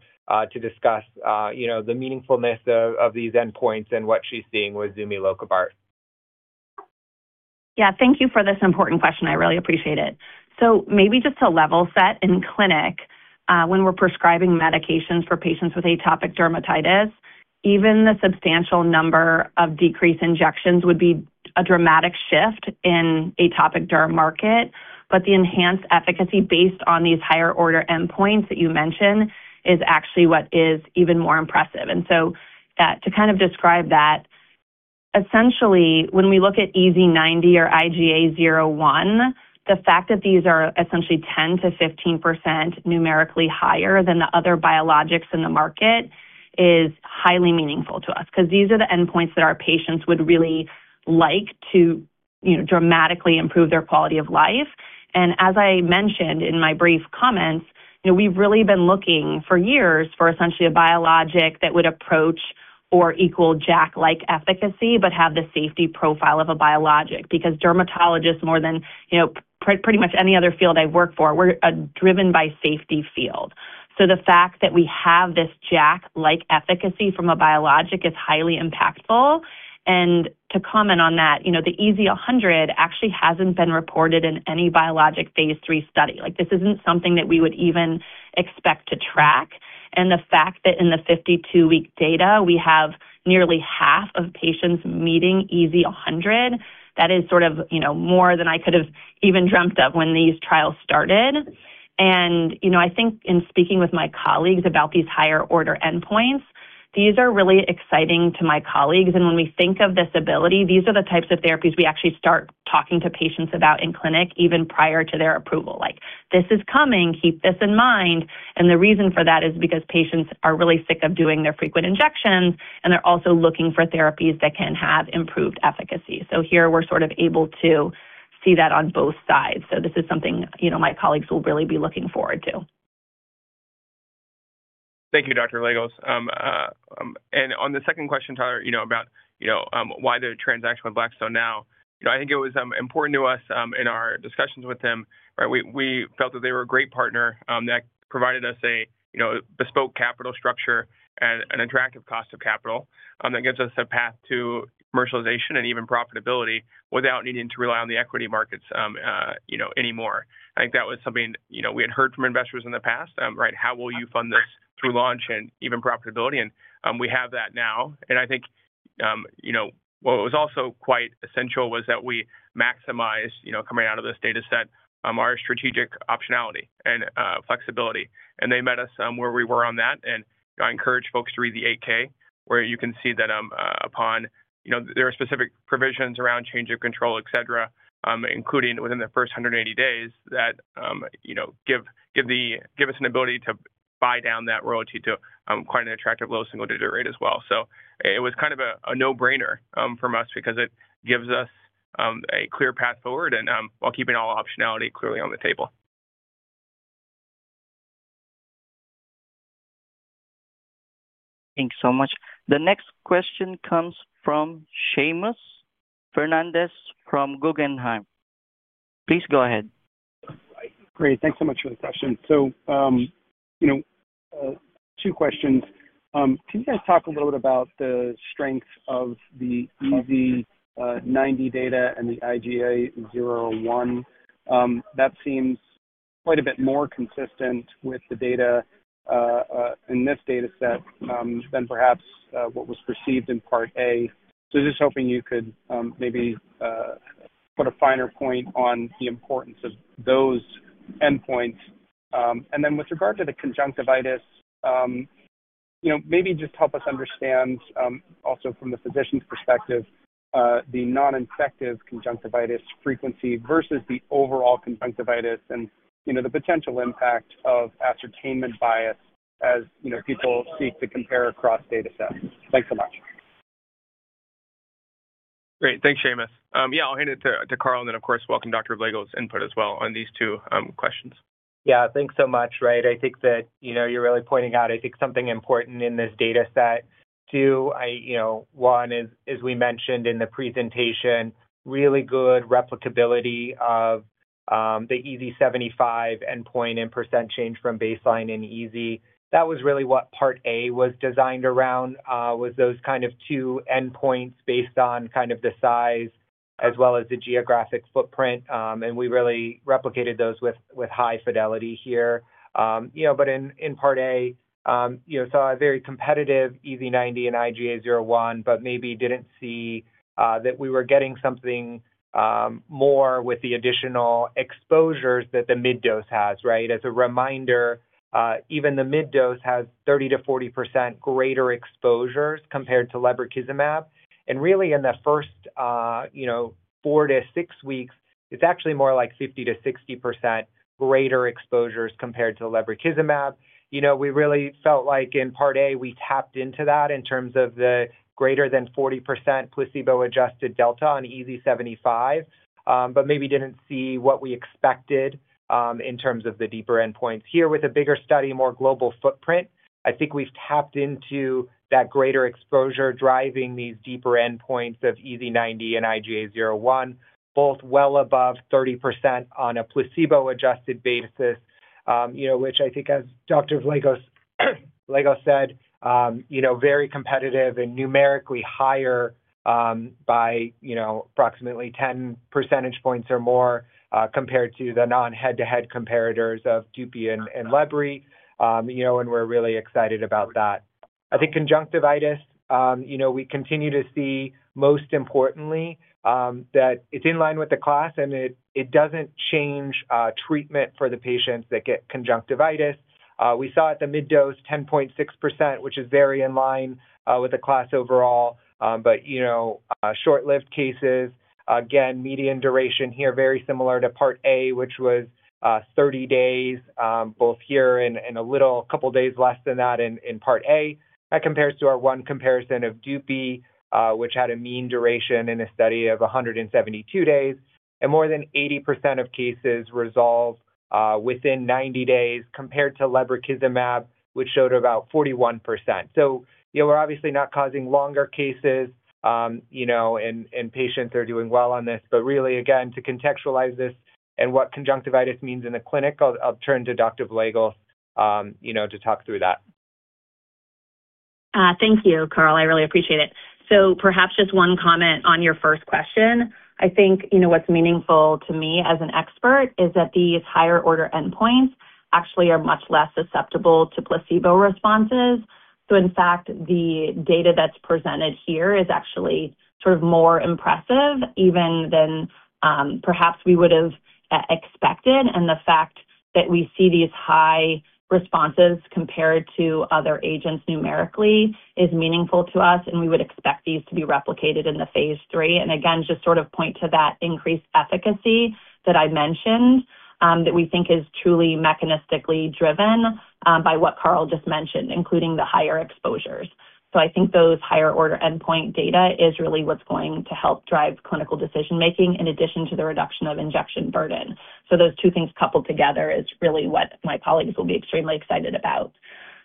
to discuss the meaningfulness of these endpoints and what she's seeing with zumilokibart. Yeah. Thank you for this important question. I really appreciate it. Maybe just to level set, in clinic, when we're prescribing medications for patients with atopic dermatitis, even the substantial number of decreased injections would be a dramatic shift in the atopic derm market. The enhanced efficacy based on these higher order endpoints that you mentioned is actually what is even more impressive. To kind of describe that, essentially, when we look at EASI-90 or IGA 0/1, the fact that these are essentially 10%-15% numerically higher than the other biologics in the market is highly meaningful to us, because these are the endpoints that our patients would really like to dramatically improve their quality of life. As I mentioned in my brief comments, we've really been looking for years for essentially a biologic that would approach or equal JAK-like efficacy but have the safety profile of a biologic. Because dermatologists, more than pretty much any other field I work for, are driven by the safety field. The fact that we have this JAK-like efficacy from a biologic is highly impactful. To comment on that, the EASI-100 actually hasn't been reported in any biologic phase III study. This isn't something that we would even expect to track. The fact that in the 52-week data, we have nearly half of patients meeting EASI-100, that is sort of more than I could have even dreamt of when these trials started. I think in speaking with my colleagues about these higher-order endpoints, these are really exciting to my colleagues. When we think of this ability, these are the types of therapies we actually start talking to patients about in clinic, even prior to their approval. Like, This is coming. Keep this in mind. The reason for that is because patients are really sick of doing their frequent injections, and they're also looking for therapies that can have improved efficacy. Here we're sort of able to see that on both sides. This is something my colleagues will really be looking forward to. Thank you, Dr. Vleugels. On the second question, Tyler, about why the transaction with Blackstone now, I think it was important to us in our discussions with them. We felt that they were a great partner that provided us a bespoke capital structure and an attractive cost of capital that gives us a path to commercialization and even profitability without needing to rely on the equity markets anymore. I think that was something we had heard from investors in the past. How will you fund this through launch and even profitability? We have that now. What was also quite essential was that we maximize, coming out of this data set, our strategic optionality and flexibility. They met us where we were on that, and I encourage folks to read the 8-K, where you can see that there are specific provisions around change of control, et cetera, including within the first 180 days that give us an ability to buy down that royalty to quite an attractive low single-digit rate as well. It was kind of a no-brainer for us because it gives us a clear path forward while keeping all optionality clearly on the table. Thanks so much. The next question comes from Seamus Fernandez from Guggenheim. Please go ahead. Great. Thanks so much for the question. Two questions. Can you guys talk a little bit about the strength of the EASI-90 data and the IGA 0/1? That seems quite a bit more consistent with the data in this data set than perhaps what was perceived in Part A. Just hoping you could maybe put a finer point on the importance of those endpoints. Then with regard to the conjunctivitis, maybe just help us understand, also from the physician's perspective, the non-infective conjunctivitis frequency versus the overall conjunctivitis and the potential impact of ascertainment bias as people seek to compare across data sets. Thanks so much. Great. Thanks, Seamus. Yeah, I'll hand it to Carl, and then, of course, welcome Dr. Vleugels' input as well on these two questions. Yeah. Thanks so much, Seamus. I think that you're really pointing out something important in this data set, too. One is, as we mentioned in the presentation, really good replicability of the EASI-75 endpoint and % change from baseline in EASI. That was really what Part A was designed around, those two endpoints based on the size as well as the geographic footprint. We really replicated those with high fidelity here. In Part A, I saw a very competitive EASI-90 and IGA 0/1, but maybe I didn't see that we were getting something more with the additional exposures that the mid-dose has. Right? As a reminder, even the mid-dose has 30%-40% greater exposures compared to lebrikizumab. Really, in the first four-six weeks, it's actually more like 50%-60% greater exposures compared to lebrikizumab. We really felt like in Part A, we tapped into that in terms of the greater than 40% placebo-adjusted delta on EASI-75, but maybe didn't see what we expected in terms of the deeper endpoints. Here, with a bigger study and a more global footprint, I think we've tapped into that greater exposure driving these deeper endpoints of EASI-90 and IGA 0/1, both well above 30% on a placebo-adjusted basis, which I think, as Dr. Vleugels said, is very competitive and numerically higher by approximately 10 percentage points or more compared to the non-head-to-head comparators of Dupixent and Lebry. We're really excited about that. I think conjunctivitis, we continue to see most importantly, that it's in line with the class, and it doesn't change treatment for the patients that get conjunctivitis. We saw at the mid-dose 10.6%, which is very in line with the class overall. Short-lived cases, again, median duration here, very similar to Part A, which was 30 days, both here and a couple of days less than that in Part A. That compares to our one comparison of Dupixent, which had a mean duration in a study of 172 days, and more than 80% of cases resolved within 90 days compared to lebrikizumab, which showed about 41%. We're obviously not causing longer cases, and patients are doing well on this. Really, again, to contextualize this and what conjunctivitis means in the clinic, I'll turn to Dr. Vleugels to talk through that. Thank you, Carl. I really appreciate it. Perhaps just one comment on your first question. I think what's meaningful to me as an expert is that these higher-order endpoints actually are much less susceptible to placebo responses. In fact, the data that's presented here is actually sort of more impressive even than perhaps we would have expected. The fact that we see these high responses compared to other agents numerically is meaningful to us, and we would expect these to be replicated in the phase III. Again, just sort of point to that increased efficacy that I mentioned that we think is truly mechanistically driven by what Carl just mentioned, including the higher exposures. I think those higher-order endpoint data are really what's going to help drive clinical decision-making in addition to the reduction of injection burden. Those two things coupled together is really what my colleagues will be extremely excited about.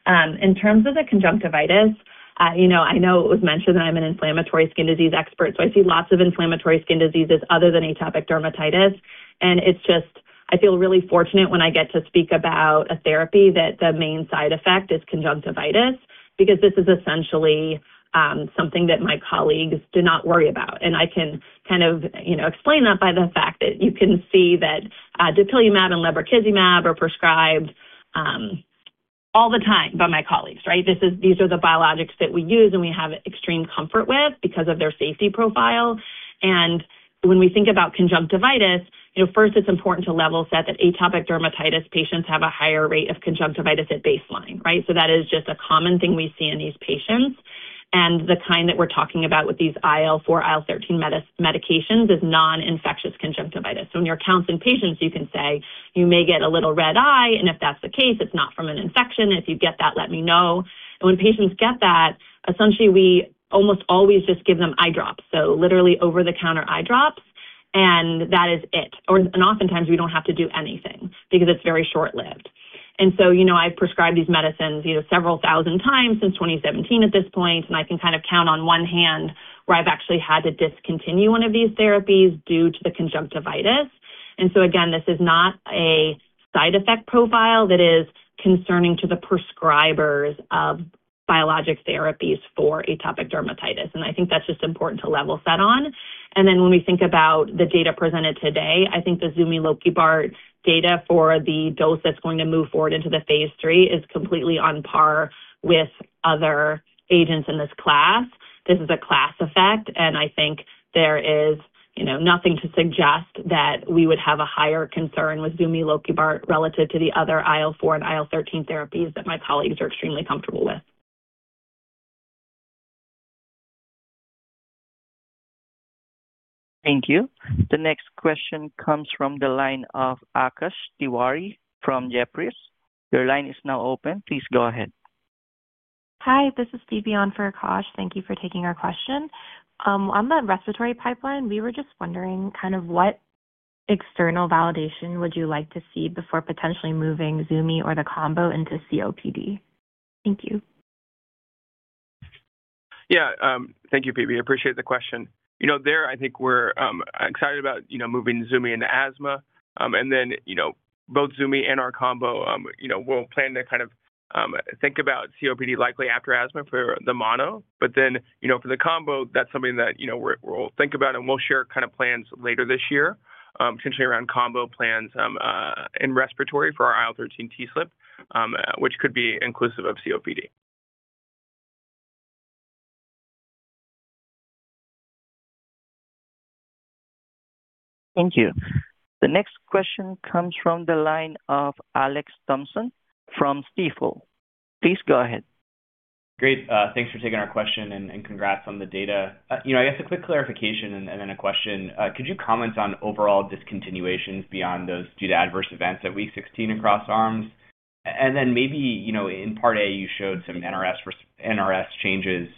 In terms of the conjunctivitis, I know it was mentioned that I'm an inflammatory skin disease expert; I see lots of inflammatory skin diseases other than atopic dermatitis. I feel really fortunate when I get to speak about a therapy whose main side effect is conjunctivitis because this is essentially something that my colleagues do not worry about. I can explain that by the fact that you can see that dupilumab and lebrikizumab are prescribed all the time by my colleagues, right? These are the biologics that we use and we have extreme comfort with because of their safety profile. When we think about conjunctivitis, first it's important to level set that atopic dermatitis patients have a higher rate of conjunctivitis at baseline. That is just a common thing we see in these patients. The kind that we're talking about with these IL-4 and IL-13 medications is non-infective conjunctivitis. When you're counseling patients, you can say, You may get a little red eye, and if that's the case, it's not from an infection. If you get that, let me know. When patients get that, essentially, we almost always just give them eyedrops, so literally over-the-counter eyedrops, and that is it. Oftentimes, we don't have to do anything because it's very short-lived. I've prescribed these medicines several thousand times since 2017 at this point, and I can count on one hand where I've actually had to discontinue one of these therapies due to the conjunctivitis. Again, this is not a side effect profile that is concerning to the prescribers of biologic therapies for atopic dermatitis. I think that's just important to level set on. When we think about the data presented today, I think the zumilokibart data for the dose that's going to move forward into the phase III is completely on par with other agents in this class. This is a class effect, and I think there is nothing to suggest that we would have a higher concern with zumilokibart relative to the other IL-4 and IL-13 therapies that my colleagues are extremely comfortable with. Thank you. The next question comes from the line of Akash Tewari from Jefferies. Your line is now open. Please go ahead. Hi, this is Phoebe on for Akash. Thank you for taking our question. On the respiratory pipeline, we were just wondering what external validation would you like to see before potentially moving Zumi or the combo into COPD? Thank you. Yeah. Thank you, Phoebe. I appreciate the question. There, I think we're excited about moving Zumi into asthma. Both Zumi and our combo, we'll plan to think about COPD likely after asthma for the mono. For the combo, that's something that we'll think about, and we'll share plans later this year, potentially around combo plans in respiratory for our IL-13 TSLP, which could be inclusive of COPD. Thank you. The next question comes from the line of Alex Thompson from Stifel. Please go ahead. Great. Thanks for taking our question, and congrats on the data. I guess a quick clarification and then a question. Could you comment on overall discontinuations beyond those due to adverse events at week 16 across arms? Then maybe, in part A, you showed some NRS changes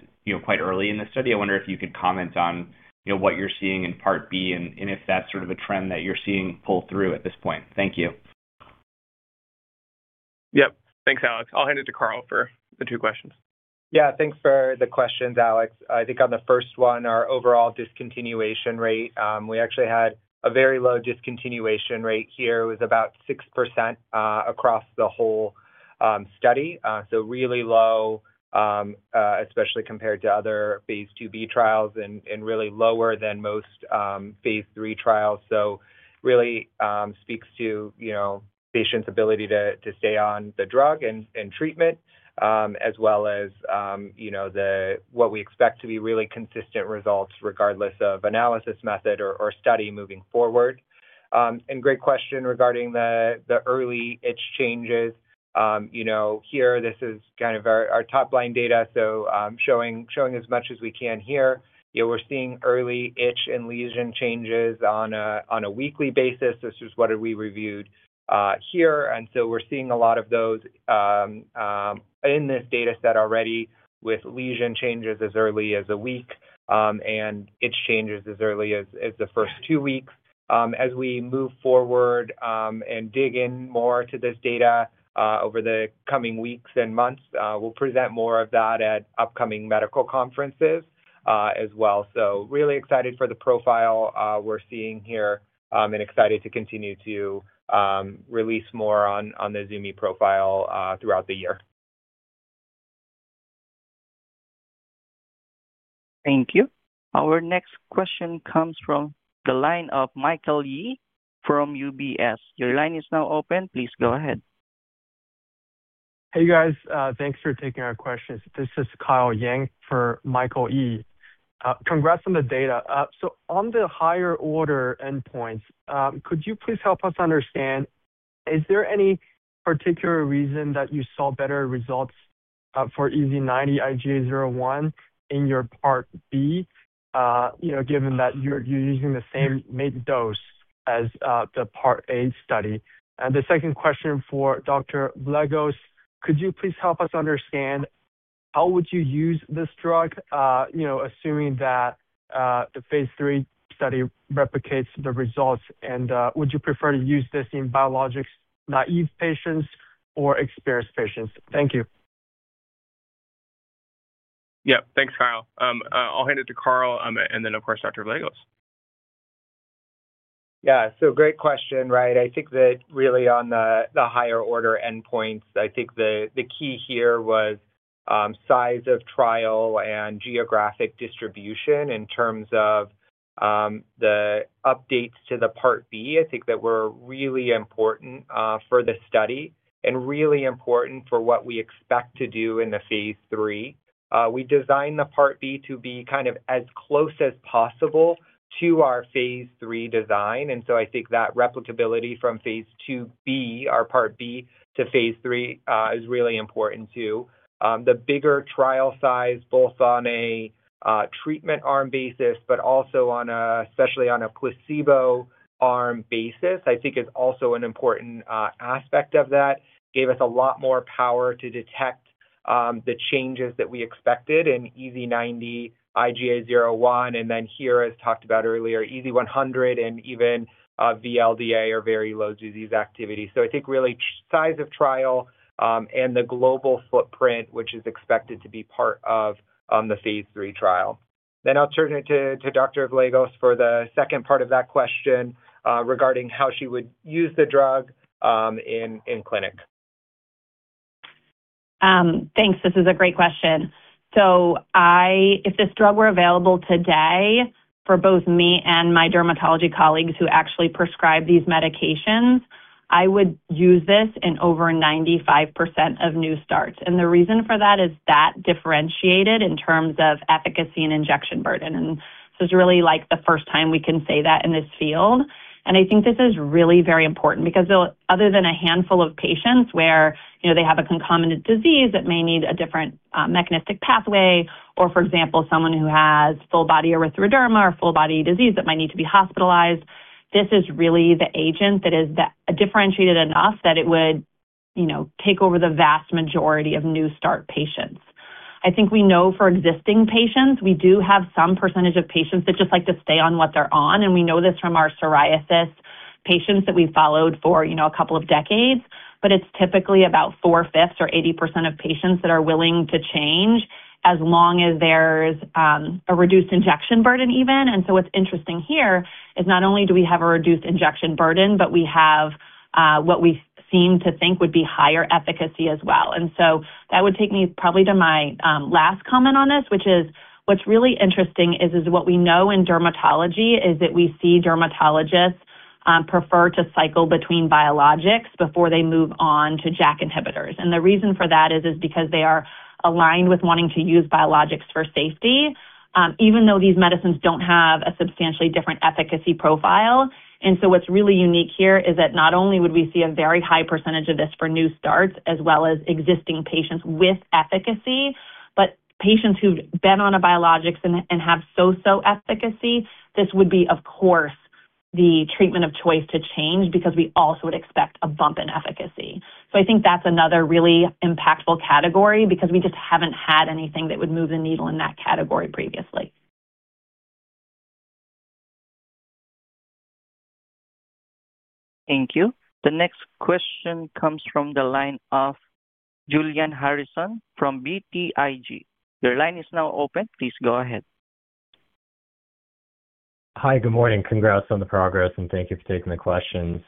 quite early in the study. I wonder if you could comment on what you're seeing in part B and if that's a trend that you're seeing pull through at this point. Thank you. Yep. Thanks, Alex. I'll hand it to Carl for the two questions. Yeah, thanks for the questions, Alex. I think on the first one, our overall discontinuation rate, we actually had a very low discontinuation rate here. It was about 6% across the whole study. Really low, especially compared to other phase II-B trials, and really lower than most phase III trials. Really speaks to patients' ability to stay on the drug and treatment, as well as what we expect to be really consistent results regardless of analysis method or study moving forward. Great question regarding the early itch changes. Here, this is our top-line data. Showing as much as we can here. We're seeing early itch and lesion changes on a weekly basis. This is what we reviewed here. We're seeing a lot of those in this data set already with lesion changes as early as one week and itch changes as early as the first two weeks. As we move forward and dig in more to this data over the coming weeks and months, we'll present more of that at upcoming medical conferences as well. Really excited for the profile we're seeing here and excited to continue to release more on the Zumi profile throughout the year. Thank you. Our next question comes from the line of Michael Yee from UBS. Your line is now open. Please go ahead. Hey, guys. Thanks for taking our questions. This is Kyle Yang for Michael Yee. Congrats on the data. On the higher-order endpoints, could you please help us understand, is there any particular reason that you saw better results for EASI-90-IGA 0/1 in your Part B, given that you're using the same mg dose as the part A study? The second question for Dr. Vleugels. Could you please help us understand how you would use this drug, assuming that the phase III study replicates the results? Would you prefer to use this in biologics-naive patients or experienced patients? Thank you. Yeah. Thanks, Kyle. I'll hand it to Carl and then, of course, Dr. Vleugels. Yeah. Great question. I think that really on the higher order endpoints, I think the key here was the size of the trial and geographic distribution in terms of the updates to Part B. I think that was really important for the study and really important for what we expect to do in the phase III. We designed Part B to be as close as possible to our phase III design. I think that replicability from phase II-B, our Part B, to phase III is really important too. The bigger trial size, both on a treatment arm basis and especially on a placebo arm basis, I think is also an important aspect of that. Gave us a lot more power to detect the changes that we expected in EASI-90, IGA 0/1, and here, as talked about earlier, EASI-100 and even VLDA or very low disease activity. I think the size of the trial and the global footprint are expected to be part of the phase III trial. I'll turn it to Dr. Vleugels for the second part of that question regarding how she would use the drug in the clinic. Thanks. This is a great question. If this drug were available today for both me and my dermatology colleagues who actually prescribe these medications, I would use this in over 95% of new starts. The reason for that is that differentiated in terms of efficacy and injection burden. It's really the first time we can say that in this field. I think this is really very important because other than a handful of patients where they have a concomitant disease that may need a different mechanistic pathway or, for example, someone who has full body erythroderma or full body disease that might need to be hospitalized, this is really the agent that is differentiated enough that it would take over the vast majority of new start patients. I think we know for existing patients, we do have some percentage of patients that just like to stay on what they're on, and we know this from our psoriasis patients that we've followed for a couple of decades. It's typically about 4/5 or 80% of patients, that are willing to change as long as there's a reduced injection burden even. What's interesting here is not only do we have a reduced injection burden, but we have what we seem to think would be higher efficacy as well. That would take me probably to my last comment on this, which is what's really interesting is what we know in dermatology is that we see dermatologists prefer to cycle between biologics before they move on to JAK inhibitors. The reason for that is because they are aligned with wanting to use biologics for safety, even though these medicines don't have a substantially different efficacy profile. What's really unique here is that not only would we see a very high percentage of this for new starts as well as existing patients with efficacy, but patients who've been on a biologic and have so-so efficacy, this would be, of course, the treatment of choice to change because we also would expect a bump in efficacy. I think that's another really impactful category because we just haven't had anything that would move the needle in that category previously. Thank you. The next question comes from the line of Julian Harrison from BTIG. Your line is now open. Please go ahead. Hi. Good morning. Congrats on the progress, and thank you for taking the questions.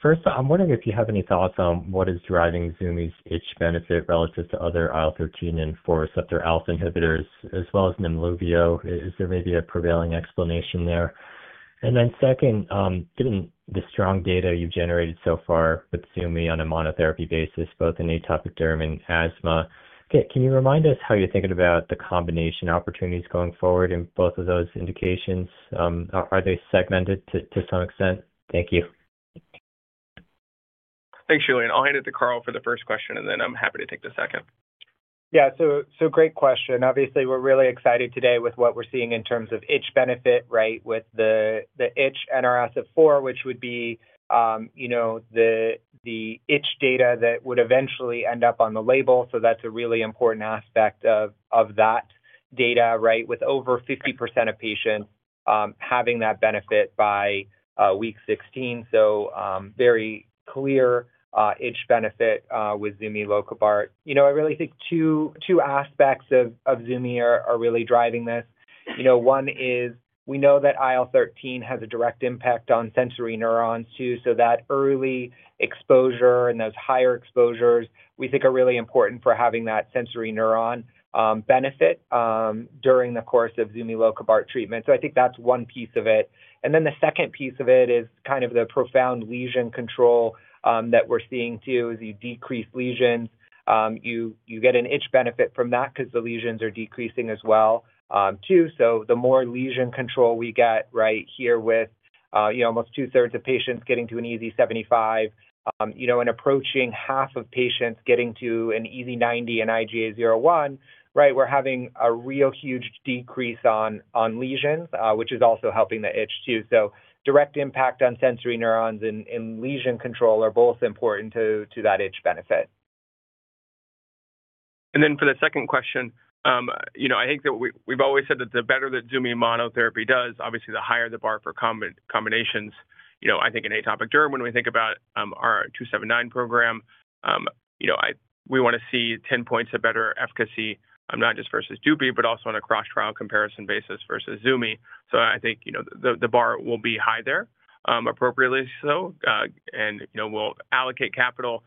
First, I'm wondering if you have any thoughts on what is driving Zumi's itch benefit relative to other IL-13 and IL-4 receptor alpha inhibitors as well as nemolizumab. Is there maybe a prevailing explanation there? Second, given the strong data you've generated so far with Zumi on a monotherapy basis, both in atopic derm and asthma, can you remind us how you're thinking about the combination opportunities going forward in both of those indications? Are they segmented to some extent? Thank you. Thanks, Julian. I'll hand it to Carl for the first question, and then I'm happy to take the second. Yeah. Great question. Obviously, we're really excited today with what we're seeing in terms of itch benefit, with the itch NRS of four, which would be the itch data that would eventually end up on the label. That's a really important aspect of that data. With over 50% of patients having that benefit by week 16. Very clear itch benefit with zumilokibart. I really think two aspects of Zumi are really driving this. One is we know that IL-13 has a direct impact on sensory neurons too, so that early exposure and those higher exposures we think are really important for having that sensory neuron benefit during the course of zumilokibart treatment. I think that's one piece of it. The second piece of it is the profound lesion control that we're seeing too, as you decrease lesions. You get an itch benefit from that because the lesions are decreasing as well, too. The more lesion control we get right here, with almost two-thirds of patients getting to an EASI-75 and approaching half of patients getting to an EASI-90 and IGA 0/1, we're having a real huge decrease in lesions, which is also helping the itch too. Direct impact on sensory neurons and lesion control are both important to that itch benefit. For the second question, I think that we've always said that the better Zumi monotherapy does, obviously the higher the bar for combinations. I think in atopic derm, when we think about our APG279 program, we want to see 10 points of better efficacy, not just versus Dupi. But also on a cross-trial comparison basis versus Zumi. I think the bar will be high there, appropriately so. We'll allocate capital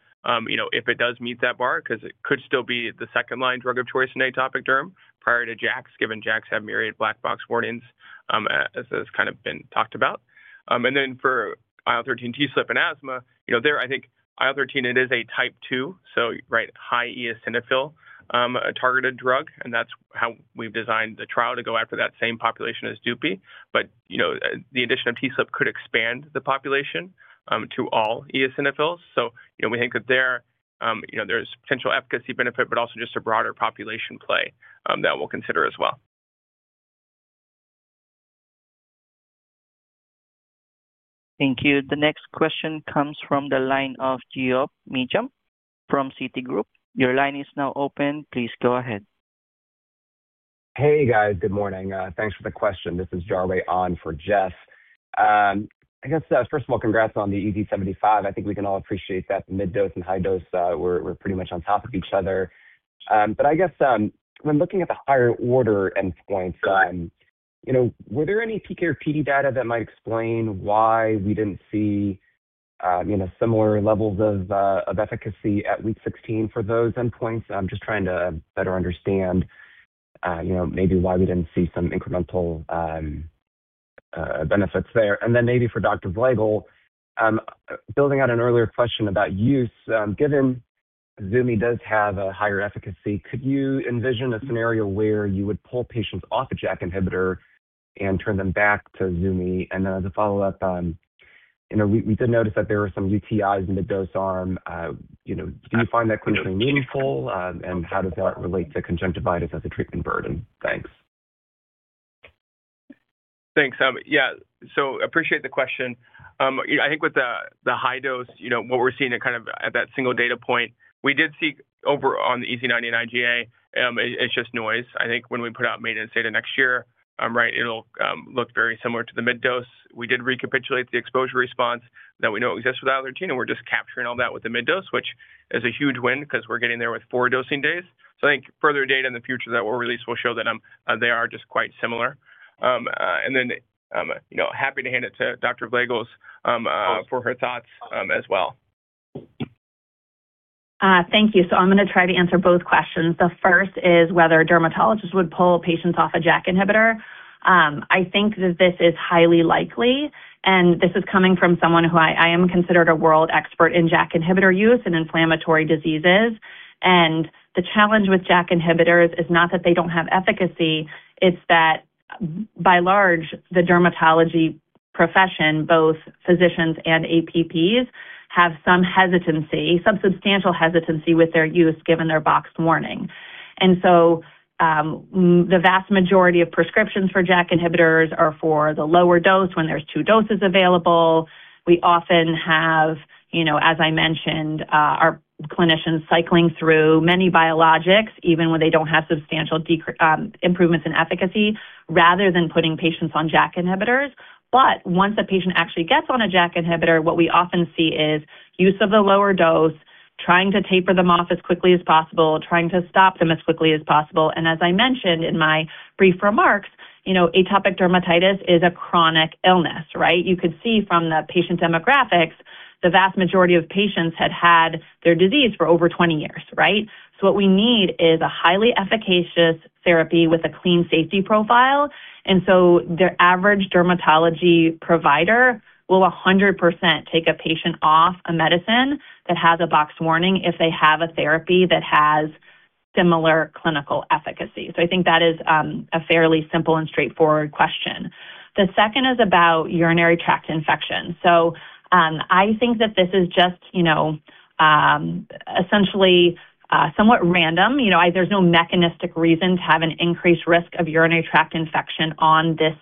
if it does meet that bar, because it could still be the second-line drug of choice in atopic derm prior to JAKs, given JAKs have myriad black box warnings, as has kind of been talked about. For IL-13, TSLP, and asthma, I think IL-13 is a Type 2, so a high eosinophil-targeted drug, and that's how we've designed the trial to go after that same population as Dupi. The addition of TSLP could expand the population to all eosinophils. We think that There's potential efficacy benefit, but also just a broader population play that we'll consider as well. Thank you. The next question comes from the line of Yigal Nochomovitz from Citigroup. Your line is now open. Please go ahead. Hey, guys. Good morning. Thanks for the question. This is Jay Ahn for Jeff. First of all, congrats on the EASI-75. I think we can all appreciate that the mid-dose and high-dose were pretty much on top of each other. When looking at the higher-order endpoints, were there any PK or PD data that might explain why we didn't see similar levels of efficacy at week 16 for those endpoints? I'm just trying to better understand maybe why we didn't see some incremental benefits there. Maybe for Dr. Vleugels, building on an earlier question about use, given that Zumi does have a higher efficacy, could you envision a scenario where you would pull patients off a JAK inhibitor and turn them back to Zumi? As a follow-up, we did notice that there were some UTIs in the dose arm. Do you find that clinically meaningful? How does that relate to conjunctivitis as a treatment burden? Thanks. Thanks. Yeah. Appreciate the question. I think with the high dose, what we're seeing at that single data point, we did see over on the EASI-90 and IGA, it's just noise. I think when we put out maintenance data next year, it'll look very similar to the mid-dose. We did recapitulate the exposure response that we know exists with Allergen, and we're just capturing all that with the mid-dose, which is a huge win because we're getting there with four dosing days. I think further data in the future that we'll release will show that they are just quite similar. Happy to hand it to Dr. Vleugels for her thoughts as well. Thank you. I'm going to try to answer both questions. The first is whether a dermatologist would pull patients off a JAK inhibitor. I think that this is highly likely, and this is coming from someone who is considered a world expert in JAK inhibitor use in inflammatory diseases. The challenge with JAK inhibitors is not that they don't have efficacy; it's that, by and large, the dermatology profession, both physicians and APPs, have some hesitancy, some substantial hesitancy, with their use given their box warning. The vast majority of prescriptions for JAK inhibitors are for the lower dose when there's two doses available. We often have, as I mentioned, our clinicians cycling through many biologics, even when they don't have substantial improvements in efficacy, rather than putting patients on JAK inhibitors. Once a patient actually gets on a JAK inhibitor, what we often see is use of the lower dose, trying to taper them off as quickly as possible, trying to stop them as quickly as possible. As I mentioned in my brief remarks, atopic dermatitis is a chronic illness, right? You could see from the patient demographics, the vast majority of patients had had their disease for over 20 years, right? What we need is a highly efficacious therapy with a clean safety profile. The average dermatology provider will 100% take a patient off a medicine that has a box warning if they have a therapy that has similar clinical efficacy. I think that is a fairly simple and straightforward question. The second is about urinary tract infection. I think that this is just essentially somewhat random. There's no mechanistic reason to have an increased risk of urinary tract infection on this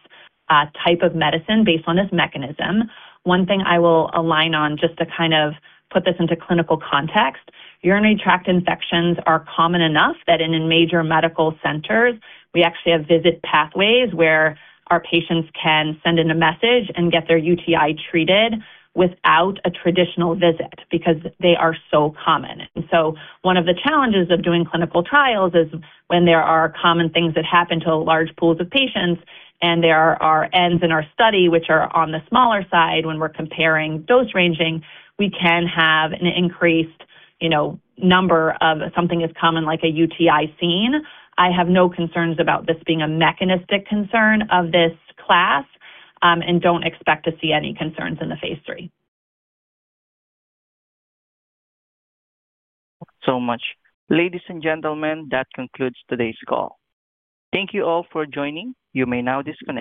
type of medicine based on this mechanism. One thing I will align on, just to kind of put this into clinical context, is that urinary tract infections are common enough that in major medical centers, we actually have visit pathways where our patients can send in a message and get their UTI treated without a traditional visit, because they are so common. One of the challenges of doing clinical trials is when there are common things that happen to large pools of patients, and there are ends in our study that are on the smaller side when we're comparing dose ranges, we can have an increased number of something as common as a UTI seen. I have no concerns about this being a mechanistic concern of this class and don't expect to see any concerns in the phase III. Thank you so much. Ladies and gentlemen, that concludes today's call. Thank you all for joining. You may now disconnect